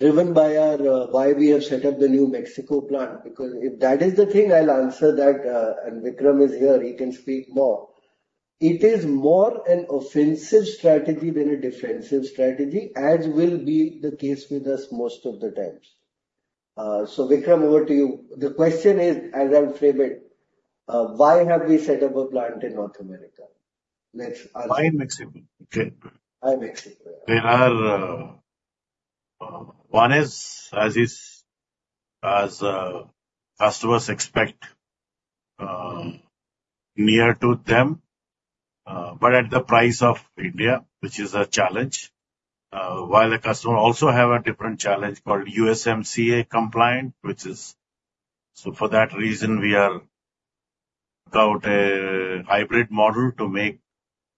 driven by our, why we have set up the new Mexico plant. Because if that is the thing, I'll answer that, and Vikram is here, he can speak more. It is more an offensive strategy than a defensive strategy, as will be the case with us most of the times. So Vikram, over to you. The question is, as I'll frame it, why have we set up a plant in North America? Let's ask. Why Mexico? Why Mexico? There are one is, as customers expect, near to them, but at the price of India, which is a challenge. While the customer also have a different challenge called USMCA compliance, which is... So for that reason, we are without a hybrid model to make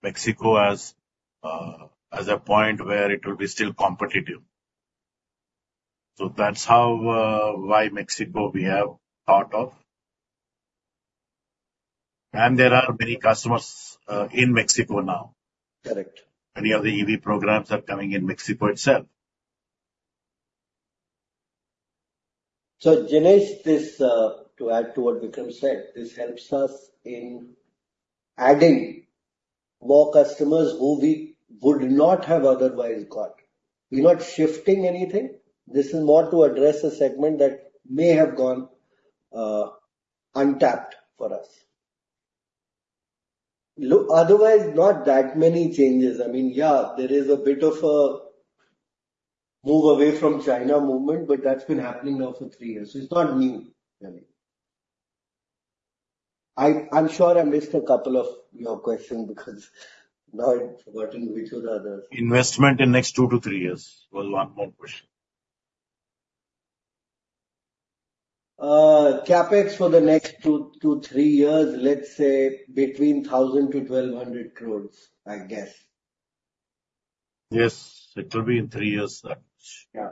Mexico as a point where it will be still competitive. So that's how why Mexico we have thought of. And there are many customers in Mexico now. Correct. Many of the EV programs are coming in Mexico itself. So Jinesh, this, to add to what Vikram said, this helps us in adding more customers who we would not have otherwise got. We're not shifting anything. This is more to address a segment that may have gone, untapped for us. Look, otherwise, not that many changes. I mean, yeah, there is a bit of a move away from China movement, but that's been happening now for three years. It's not new, really. I, I'm sure I missed a couple of your questions because now I've forgotten which were the others. Investment in next two to three years was one more question. CapEx for the next two to three years, let's say between 1,000 crore-1,200 crore, I guess. Yes, it will be in three years, that much. Yeah.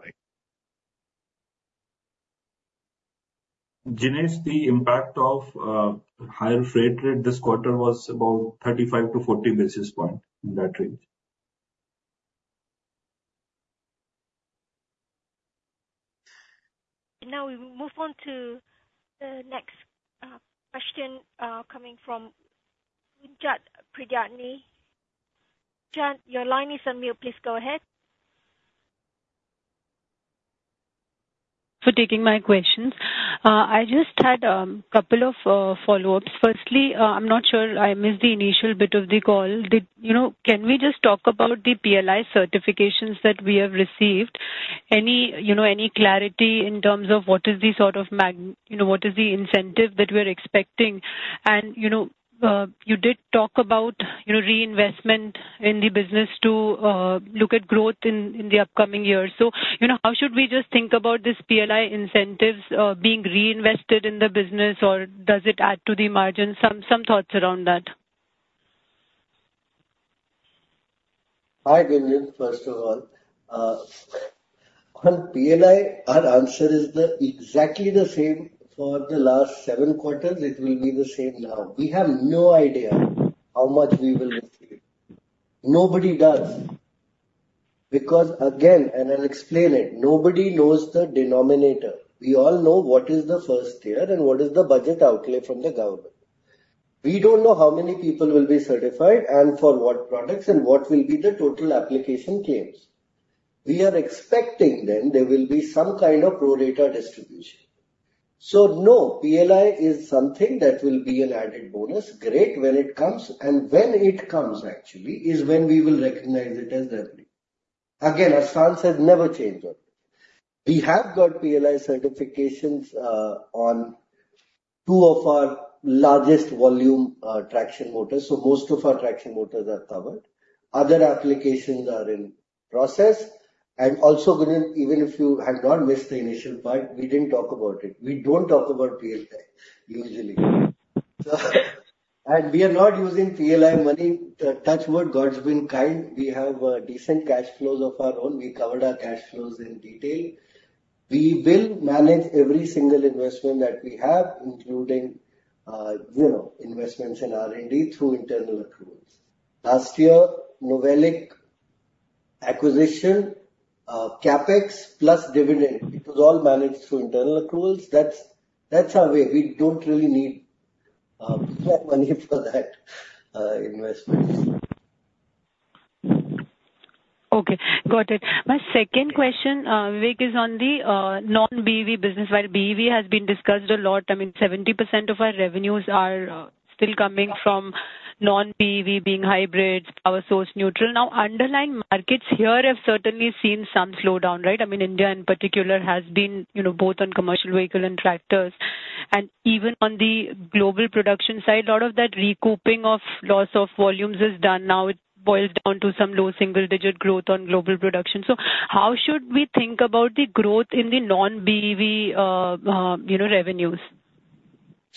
Jinesh, the impact of higher freight rate this quarter was about 35-40 basis point, in that range. Now, we will move on to the next question coming from Gunjan Prithyani. Gunjan, your line is on mute. Please go ahead. For taking my questions. I just had a couple of follow-ups. Firstly, I'm not sure I missed the initial bit of the call. You know, can we just talk about the PLI certifications that we have received? Any, you know, any clarity in terms of what is the sort of, you know, what is the incentive that we're expecting? And, you know, you did talk about, you know, reinvestment in the business to look at growth in the upcoming years. So, you know, how should we just think about this PLI incentives being reinvested in the business, or does it add to the margin? Some thoughts around that. Hi, Gunjan. First of all, on PLI, our answer is the exactly the same for the last seven quarters, it will be the same now. We have no idea how much we will receive. Nobody does. Because, again, and I'll explain it, nobody knows the denominator. We all know what is the first tier and what is the budget outlay from the government. We don't know how many people will be certified and for what products and what will be the total application claims. We are expecting then there will be some kind of pro rata distribution. So no, PLI is something that will be an added bonus. Great, when it comes, and when it comes actually, is when we will recognize it as revenue. Again, our stance has never changed on it. We have got PLI certifications on two of our largest volume traction motors, so most of our traction motors are covered. Other applications are in process. Also, Gunjan, even if you have not missed the initial part, we didn't talk about it. We don't talk about PLI usually. We are not using PLI money. Touch wood, God's been kind, we have decent cash flows of our own. We covered our cash flows in detail. We will manage every single investment that we have, including, you know, investments in R&D through internal accruals. Last year, NOVELIC acquisition, CapEx plus dividend, it was all managed through internal accruals. That's our way. We don't really need money for that investments. Okay, got it. My second question, Vik, is on the non-BEV business. While BEV has been discussed a lot, I mean, 70% of our revenues are still coming from non-BEV, being hybrids, power source neutral. Now, underlying markets here have certainly seen some slowdown, right? I mean, India in particular has been, you know, both on commercial vehicle and tractors. And even on the global production side, a lot of that recouping of loss of volumes is done. Now, it boils down to some low single digit growth on global production. So how should we think about the growth in the non-BEV, you know, revenues? ...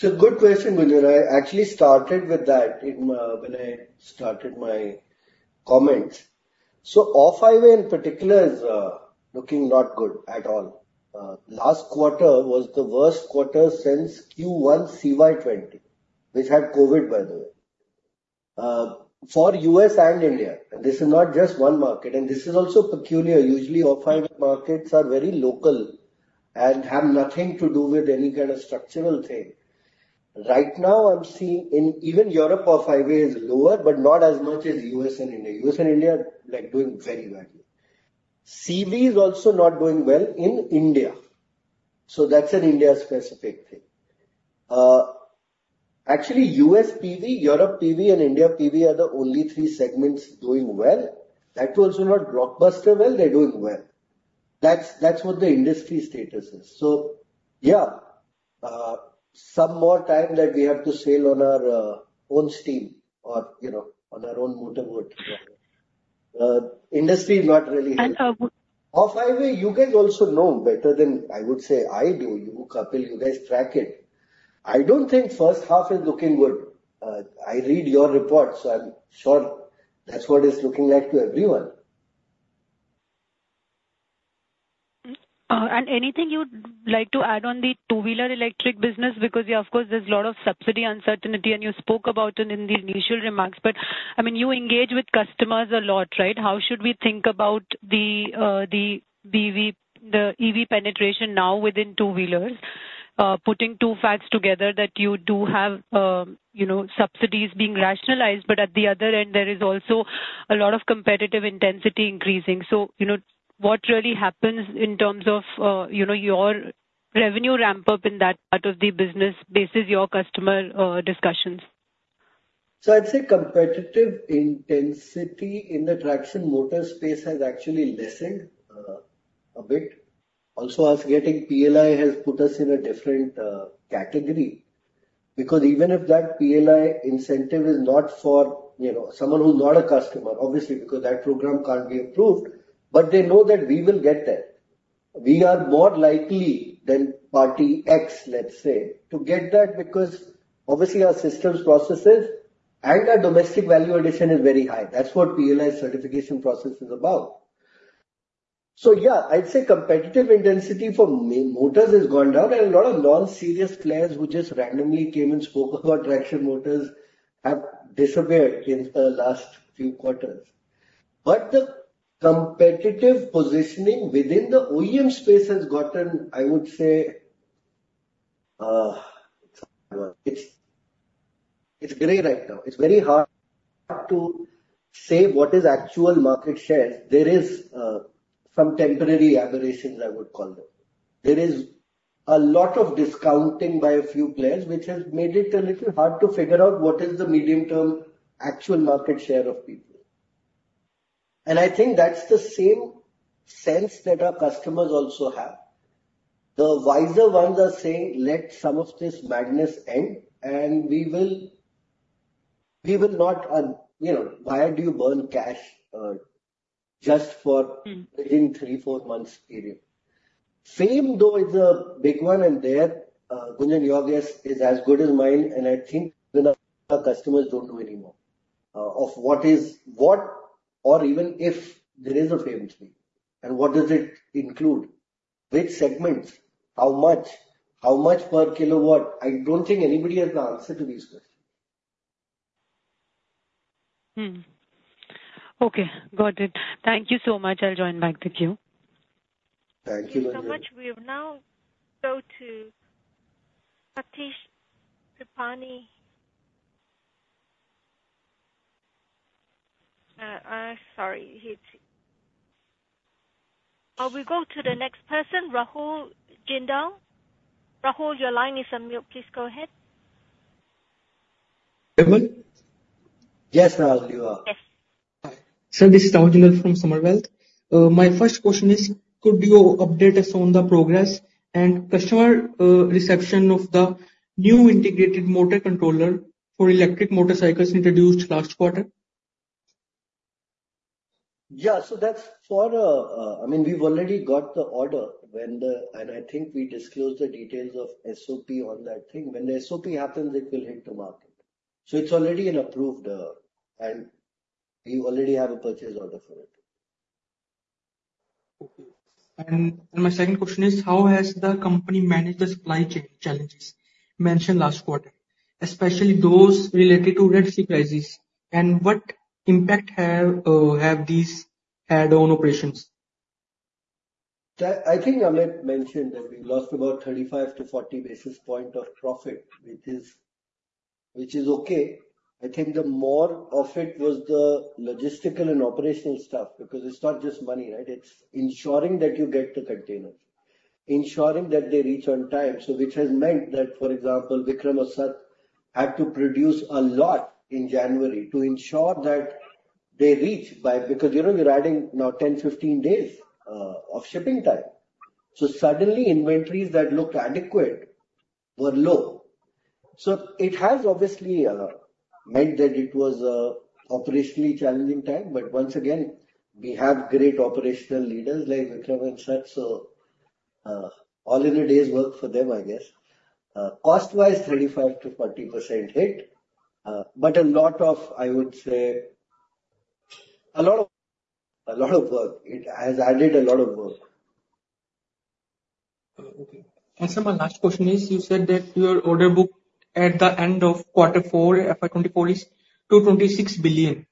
It's a good question, Gunjan. I actually started with that in, when I started my comments. So off-highway, in particular, is looking not good at all. Last quarter was the worst quarter since Q1 CY 2020, which had COVID, by the way. For U.S. and India, this is not just one market, and this is also peculiar. Usually, off-highway markets are very local and have nothing to do with any kind of structural thing. Right now, I'm seeing in even Europe, off-highway is lower, but not as much as U.S. and India. U.S. and India are, like, doing very badly. CV is also not doing well in India, so that's an India-specific thing. Actually, U.S. PV, Europe PV, and India PV are the only three segments doing well. That also not blockbuster well, they're doing well. That's, that's what the industry status is. So yeah, some more time that we have to sail on our own steam or, you know, on our own motorboat. Industry is not really- And, uh- Off-highway, you guys also know better than I would say I do. You, Kapil, you guys track it. I don't think first half is looking good. I read your report, so I'm sure that's what it's looking like to everyone. And anything you'd like to add on the two-wheeler electric business? Because, yeah, of course, there's a lot of subsidy uncertainty, and you spoke about it in the initial remarks, but, I mean, you engage with customers a lot, right? How should we think about the EV penetration now within two-wheelers? Putting two facts together that you do have, you know, subsidies being rationalized, but at the other end, there is also a lot of competitive intensity increasing. So, you know, what really happens in terms of, you know, your revenue ramp-up in that part of the business, basis your customer discussions? So I'd say competitive intensity in the traction motor space has actually lessened a bit. Also, us getting PLI has put us in a different category. Because even if that PLI incentive is not for, you know, someone who's not a customer, obviously, because that program can't be approved, but they know that we will get there. We are more likely than party X, let's say, to get that, because obviously our systems, processes, and our domestic value addition is very high. That's what PLI certification process is about. So yeah, I'd say competitive intensity for motors has gone down, and a lot of non-serious players who just randomly came and spoke about traction motors have disappeared in the last few quarters. But the competitive positioning within the OEM space has gotten, I would say, it's gray right now. It's very hard to say what is actual market share. There is some temporary aberrations, I would call them. There is a lot of discounting by a few players, which has made it a little hard to figure out what is the medium-term actual market share of people. And I think that's the same sense that our customers also have. The wiser ones are saying, "Let some of this madness end, and we will, we will not..." You know, why do you burn cash just for- - in three to four months period? Same, though, is a big one, and there, Gunja, your guess is as good as mine, and I think the, our customers don't know anymore, of what is what, or even if there is a FAME III, and what does it include? Which segments? How much? How much per kilowatt? I don't think anybody has the answer to these questions. Hmm. Okay, got it. Thank you so much. I'll join back with you. Thank you, Gunjan. Thank you so much. We will now go to Satish Tripathi. Sorry, we go to the next person, Rahul Jindal. Rahul, your line is unmute. Please go ahead. [inaudible] Yes, Rahul, you are. Hi. Sir, this is Rahul Jindal from Samar Wealth. My first question is, could you update us on the progress and customer reception of the new Integrated Motor Controller for electric motorcycles introduced last quarter? Yeah, so that's for, I mean, we've already got the order when the... And I think we disclosed the details of SOP on that thing. When the SOP happens, it will hit the market. So it's already an approved, and we already have a purchase order for it. Okay. And my second question is: How has the company managed the supply chain challenges mentioned last quarter, especially those related to raw material prices, and what impact have these had on operations? I think Amit mentioned that we lost about 35-40 basis points of profit, which is okay. I think the more of it was the logistical and operational stuff, because it's not just money, right? It's ensuring that you get the containers, ensuring that they reach on time. So which has meant that, for example, Vikram or Sat had to produce a lot in January to ensure that they reach by... Because, you know, you're adding now 10, 15 days of shipping time. So suddenly, inventories that looked adequate were low. So it has obviously meant that it was operationally challenging time, but once again, we have great operational leaders like Vikram and such, so all in a day's work for them, I guess. Cost-wise, 35%-40% hit, but a lot of, I would say, a lot of, a lot of work. It has added a lot of work. Okay. Sir, my last question is, you said that your order book at the end of quarter four, FY 2024, is 226 billion.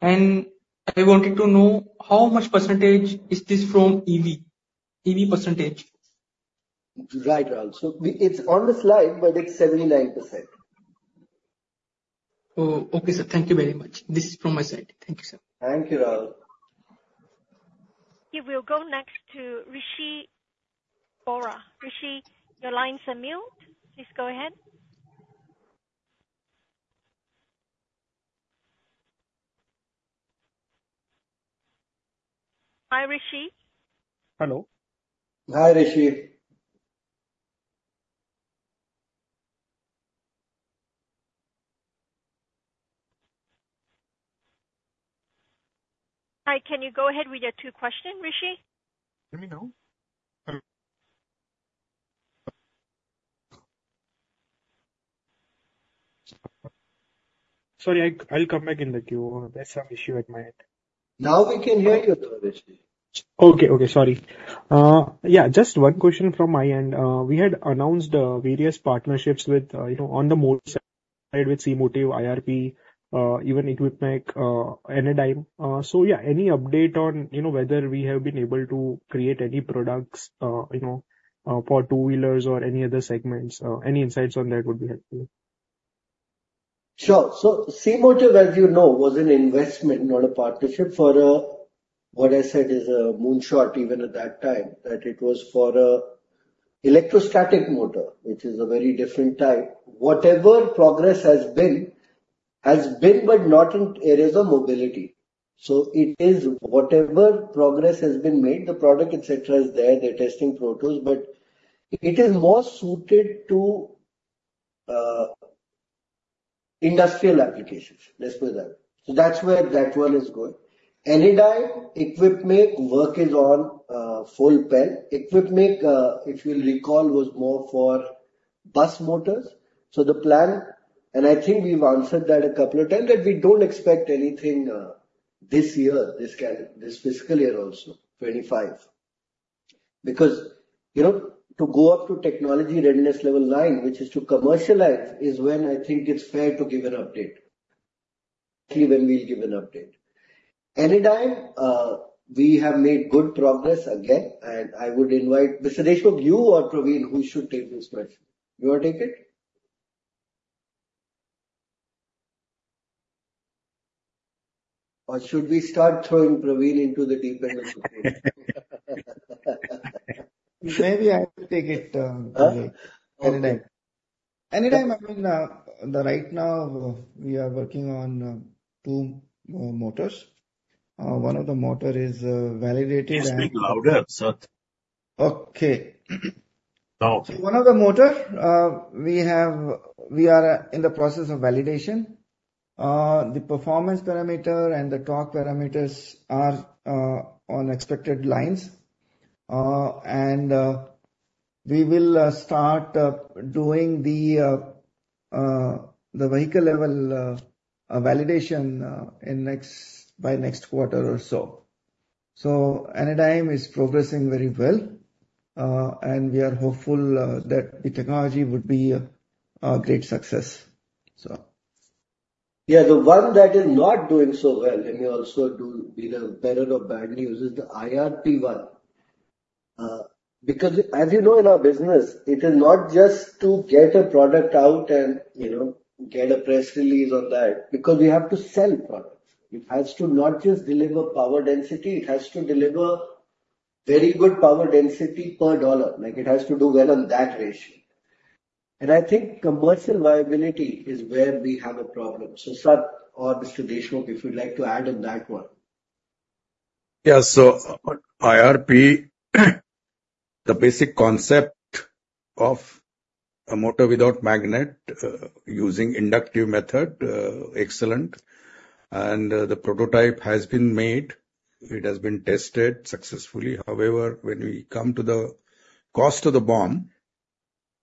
I wanted to know how much % is this from EV? EV %. Right, Rahul. So we, it's on the slide, but it's 79%. Oh, okay, sir. Thank you very much. This is from my side. Thank you, sir. Thank you, Rahul. We will go next to Rishi Vora. Rishi, your lines are mute. Please go ahead. Hi, Rishi? Hello. Hi, Rishi. Hi, can you go ahead with your two questions, Rishi? Can you hear me now? Hello. Sorry, I, I'll come back in the queue. There's some issue at my end. Now we can hear you though, Rishi. Okay, okay. Sorry. Yeah, just one question from my end. We had announced various partnerships with, you know, on the motor side with C-Motive, IRP, even Equipmake, Enedym. So yeah, any update on, you know, whether we have been able to create any products, you know, for two-wheelers or any other segments? Any insights on that would be helpful. Sure. So C-Motive, as you know, was an investment, not a partnership, for what I said is a moonshot, even at that time, that it was for an electrostatic motor, which is a very different type. Whatever progress has been, has been, but not in areas of mobility. So it is... Whatever progress has been made, the product, et cetera, is there. They're testing proto, but it is more suited to industrial applications, let's put it that way. So that's where that one is going. Enedym, Equipmake, work is on full pel. Equipmake, if you'll recall, was more for bus motors. So the plan, and I think we've answered that a couple of times, that we don't expect anything this year, this fiscal year, also, 25. Because, you know, to go up to technology readiness level nine, which is to commercialize, is when I think it's fair to give an update. Actually, when we'll give an update. Enedym, we have made good progress again, and I would invite, Mr. Deshmukh, you or Praveen, who should take this question? You want to take it? Or should we start throwing Praveen into the deep end of the pool? Maybe I will take it, Enedym. Okay. Anyway, I mean, right now, we are working on two motors. One of the motors is validated and- You speak louder, sir. Okay. Now. So one of the motor we have, we are in the process of validation. The performance parameter and the torque parameters are on expected lines. And we will start doing the vehicle level validation by next quarter or so. So Enedym is progressing very well, and we are hopeful that the technology would be a great success. So... Yeah, the one that is not doing so well, let me also do in a better or bad news, is the IRP one. Because as you know, in our business, it is not just to get a product out and, you know, get a press release on that, because we have to sell products. It has to not just deliver power density, it has to deliver very good power density per dollar, like, it has to do well on that ratio. And I think commercial viability is where we have a problem. So, sir, or Mr.Deshmukh, if you'd like to add on that one. Yeah, so IRP, the basic concept of a motor without magnet, using inductive method, excellent, and, the prototype has been made. It has been tested successfully. However, when we come to the cost of the BOM,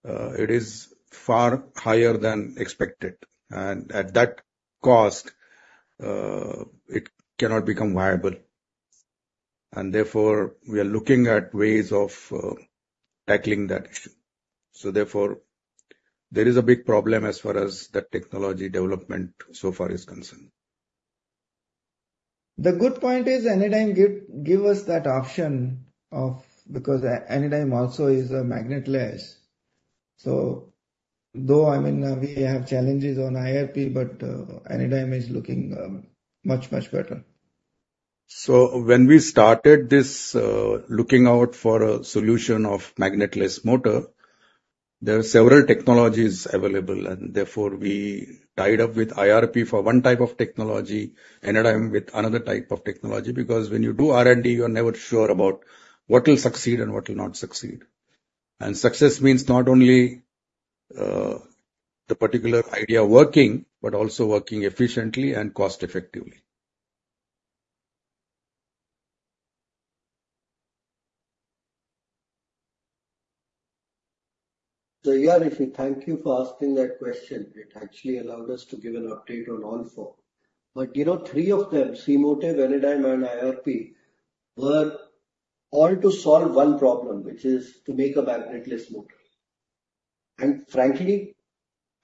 it is far higher than expected, and at that cost, it cannot become viable. And therefore, we are looking at ways of, tackling that issue. So therefore, there is a big problem as far as the technology development so far is concerned. The good point is, Enedym give, give us that option of... Because, Enedym also is a magnetless. So though, I mean, we have challenges on IRP, but, Enedym is looking, much, much better. When we started this, looking out for a solution of magnetless motor, there are several technologies available, and therefore, we tied up with IRP for one type of technology, Enedym with another type of technology. Because when you do R&D, you are never sure about what will succeed and what will not succeed.... And success means not only the particular idea working, but also working efficiently and cost effectively. So, yeah, Rishi, thank you for asking that question. It actually allowed us to give an update on all four. But, you know, three of them, C-Motive, Enedym, and IRP, were all to solve one problem, which is to make a magnet-less motor. And frankly,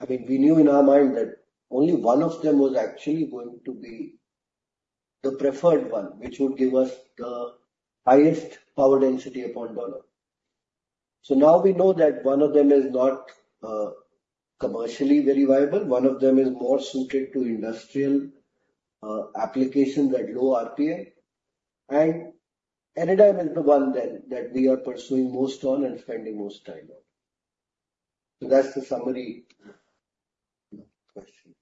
I mean, we knew in our mind that only one of them was actually going to be the preferred one, which would give us the highest power density per dollar. So now we know that one of them is not commercially very viable. One of them is more suited to industrial applications at low RPM, and Enedym is the one then that we are pursuing most on and spending most time on. So that's the summary, question.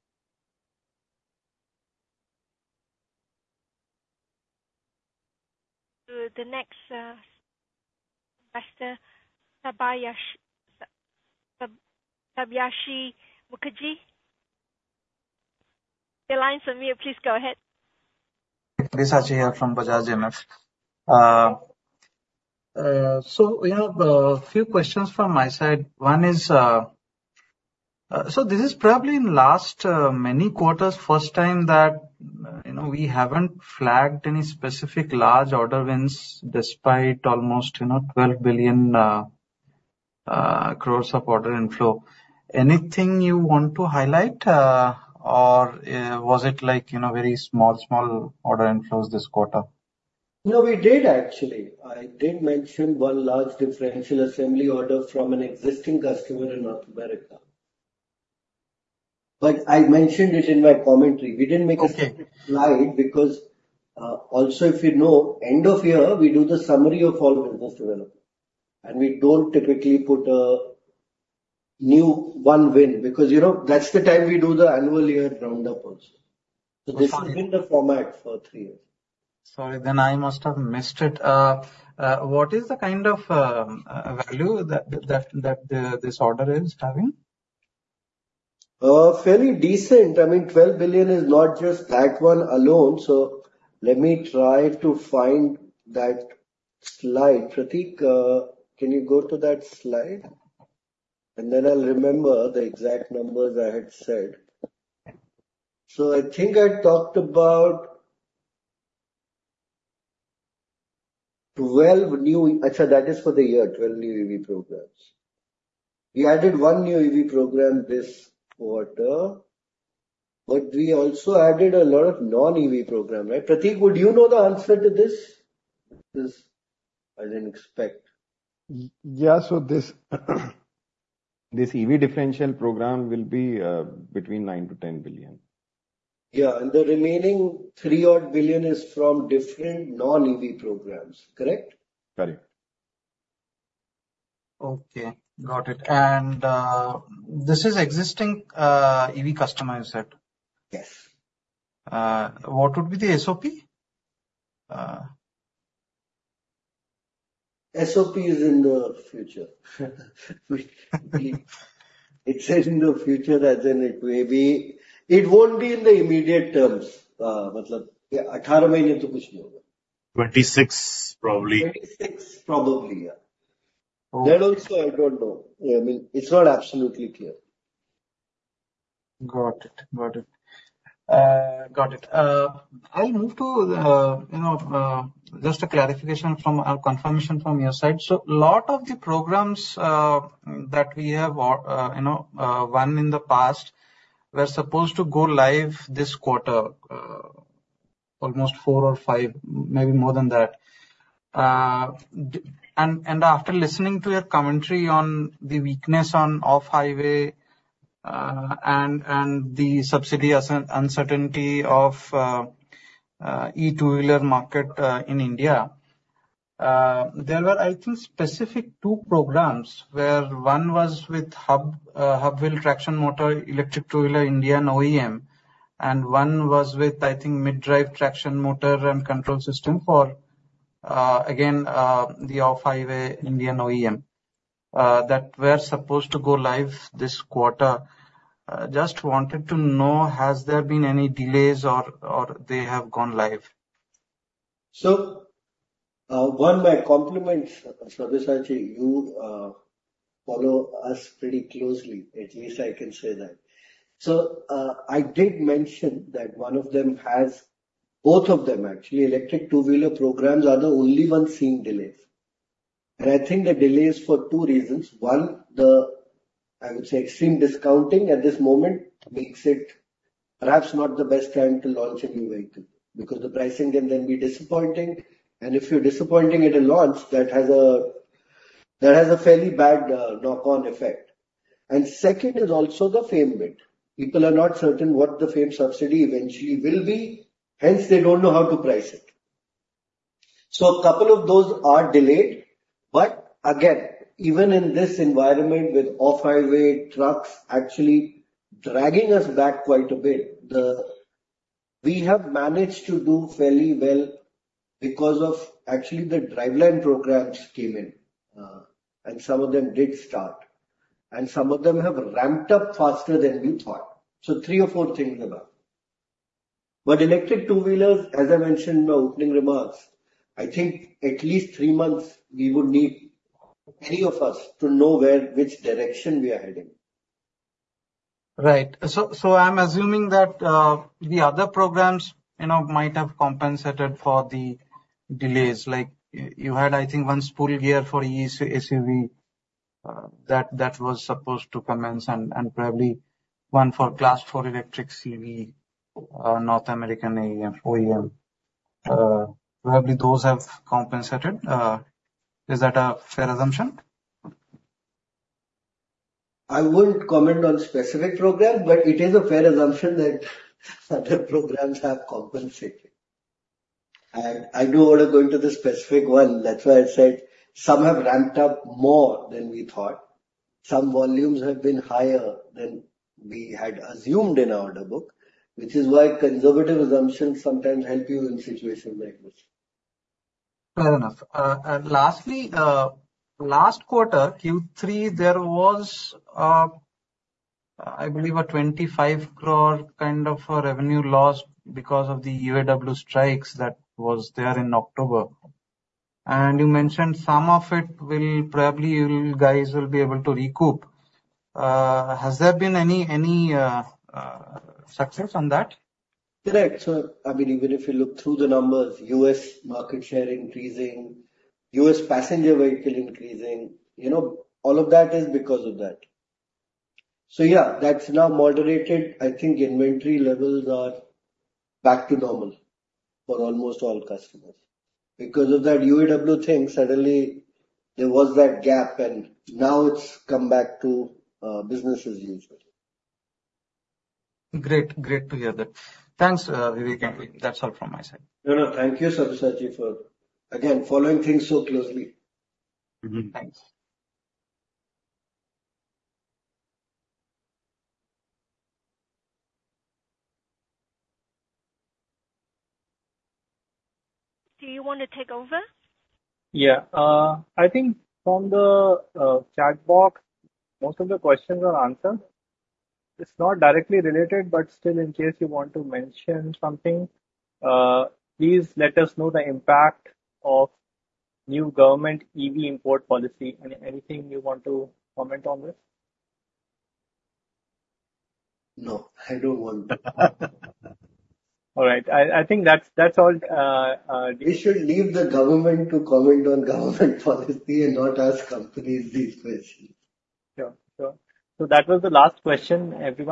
The next investor, Sabyasachi Mukherjee. Your line is unmuted, please go ahead. Sachi here from Bajaj MF. So, you know, few questions from my side. One is, so this is probably in last many quarters, first time that, you know, we haven't flagged any specific large order wins, despite almost, you know, 12 billion crores of order inflow. Anything you want to highlight, or, was it like, you know, very small, small order inflows this quarter? No, we did, actually. I did mention one large differential assembly order from an existing customer in North America. But I mentioned it in my commentary. Okay. We didn't make a specific slide because, also, if you know, end of year, we do the summary of all business development, and we don't typically put a new one win, because, you know, that's the time we do the annual year roundup also. Okay. So this has been the format for three years. Sorry, then I must have missed it. What is the kind of value that this order is having? Fairly decent. I mean, $12 billion is not just that one alone, so let me try to find that slide. Prateek, can you go to that slide? And then I'll remember the exact numbers I had said. So I think I talked about 12 new... Actually, that is for the year, 12 new EV programs. We added one new EV program this quarter, but we also added a lot of non-EV program, right? Prateek, would you know the answer to this? This I didn't expect. Yeah, so this, this EV differential program will be between 9 billion-10 billion. Yeah, and the remaining $3-odd billion is from different non-EV programs, correct? Correct. Okay, got it. And, this is existing, EV customer, you said? Yes. What would be the SOP? SOP is in the future. It's in the future, as in, it may be... It won't be in the immediate terms. 26, probably. 26, probably, yeah. Okay. That also, I don't know. I mean, it's not absolutely clear. Got it. Got it. Got it. I'll move to, you know, just a clarification from, or confirmation from your side. So a lot of the programs that we have, you know, won in the past were supposed to go live this quarter, almost four or 5, maybe more than that. And after listening to your commentary on the weakness on off-highway, and the subsidy uncertainty of the e-two-wheeler market in India, there were, I think, specific two programs, where one was with hub wheel traction motor, electric two-wheeler, Indian OEM, and one was with, I think, mid-drive traction motor and control system for, again, the off-highway Indian OEM, that were supposed to go live this quarter. Just wanted to know, has there been any delays or, or they have gone live? So, one, my compliments, Sabyasachi, you follow us pretty closely. At least I can say that. So, I did mention that one of them has... Both of them, actually, electric two-wheeler programs are the only one seeing delays. And I think the delay is for two reasons: one, the, I would say, extreme discounting at this moment makes it perhaps not the best time to launch a new vehicle, because the pricing can then be disappointing, and if you're disappointing at a launch, that has a, that has a fairly bad, knock-on effect. And second is also the FAME bit. People are not certain what the FAME subsidy eventually will be, hence they don't know how to price it. So a couple of those are delayed, but again, even in this environment with off-highway trucks actually dragging us back quite a bit, the-... We have managed to do fairly well because of actually the driveline programs came in, and some of them did start, and some of them have ramped up faster than we thought. So three or four things about. But electric two-wheelers, as I mentioned in my opening remarks, I think at least three months, we would need three of us to know where, which direction we are heading. Right. So I'm assuming that the other programs, you know, might have compensated for the delays. Like, you had, I think, one spool gear for E-SUV, that was supposed to commence, and probably one for class four electric CV, North American EV OEM. Probably those have compensated. Is that a fair assumption? I wouldn't comment on specific program, but it is a fair assumption that other programs have compensated. I do want to go into the specific one. That's why I said some have ramped up more than we thought. Some volumes have been higher than we had assumed in our order book, which is why conservative assumptions sometimes help you in situations like this. Fair enough. And lastly, last quarter, Q3, there was, I believe, a 25 crore kind of a revenue loss because of the UAW strikes that was there in October. And you mentioned some of it will probably, you guys will be able to recoup. Has there been any success on that? Correct. So, I mean, even if you look through the numbers, U.S. market share increasing, U.S. passenger vehicle increasing, you know, all of that is because of that. So yeah, that's now moderated. I think inventory levels are back to normal for almost all customers. Because of that UAW thing, suddenly there was that gap, and now it's come back to business as usual. Great. Great to hear that. Thanks, Vivek, and that's all from my side. No, no, thank you, Srisaji, for again following things so closely. Mm-hmm. Thanks. Do you want to take over? Yeah. I think from the chat box, most of the questions are answered. It's not directly related, but still, in case you want to mention something, please let us know the impact of new government EV import policy. Anything you want to comment on this? No, I don't want to. All right. I think that's all. We should leave the government to comment on government policy and not ask companies these questions. Sure. Sure. So that was the last question, everyone.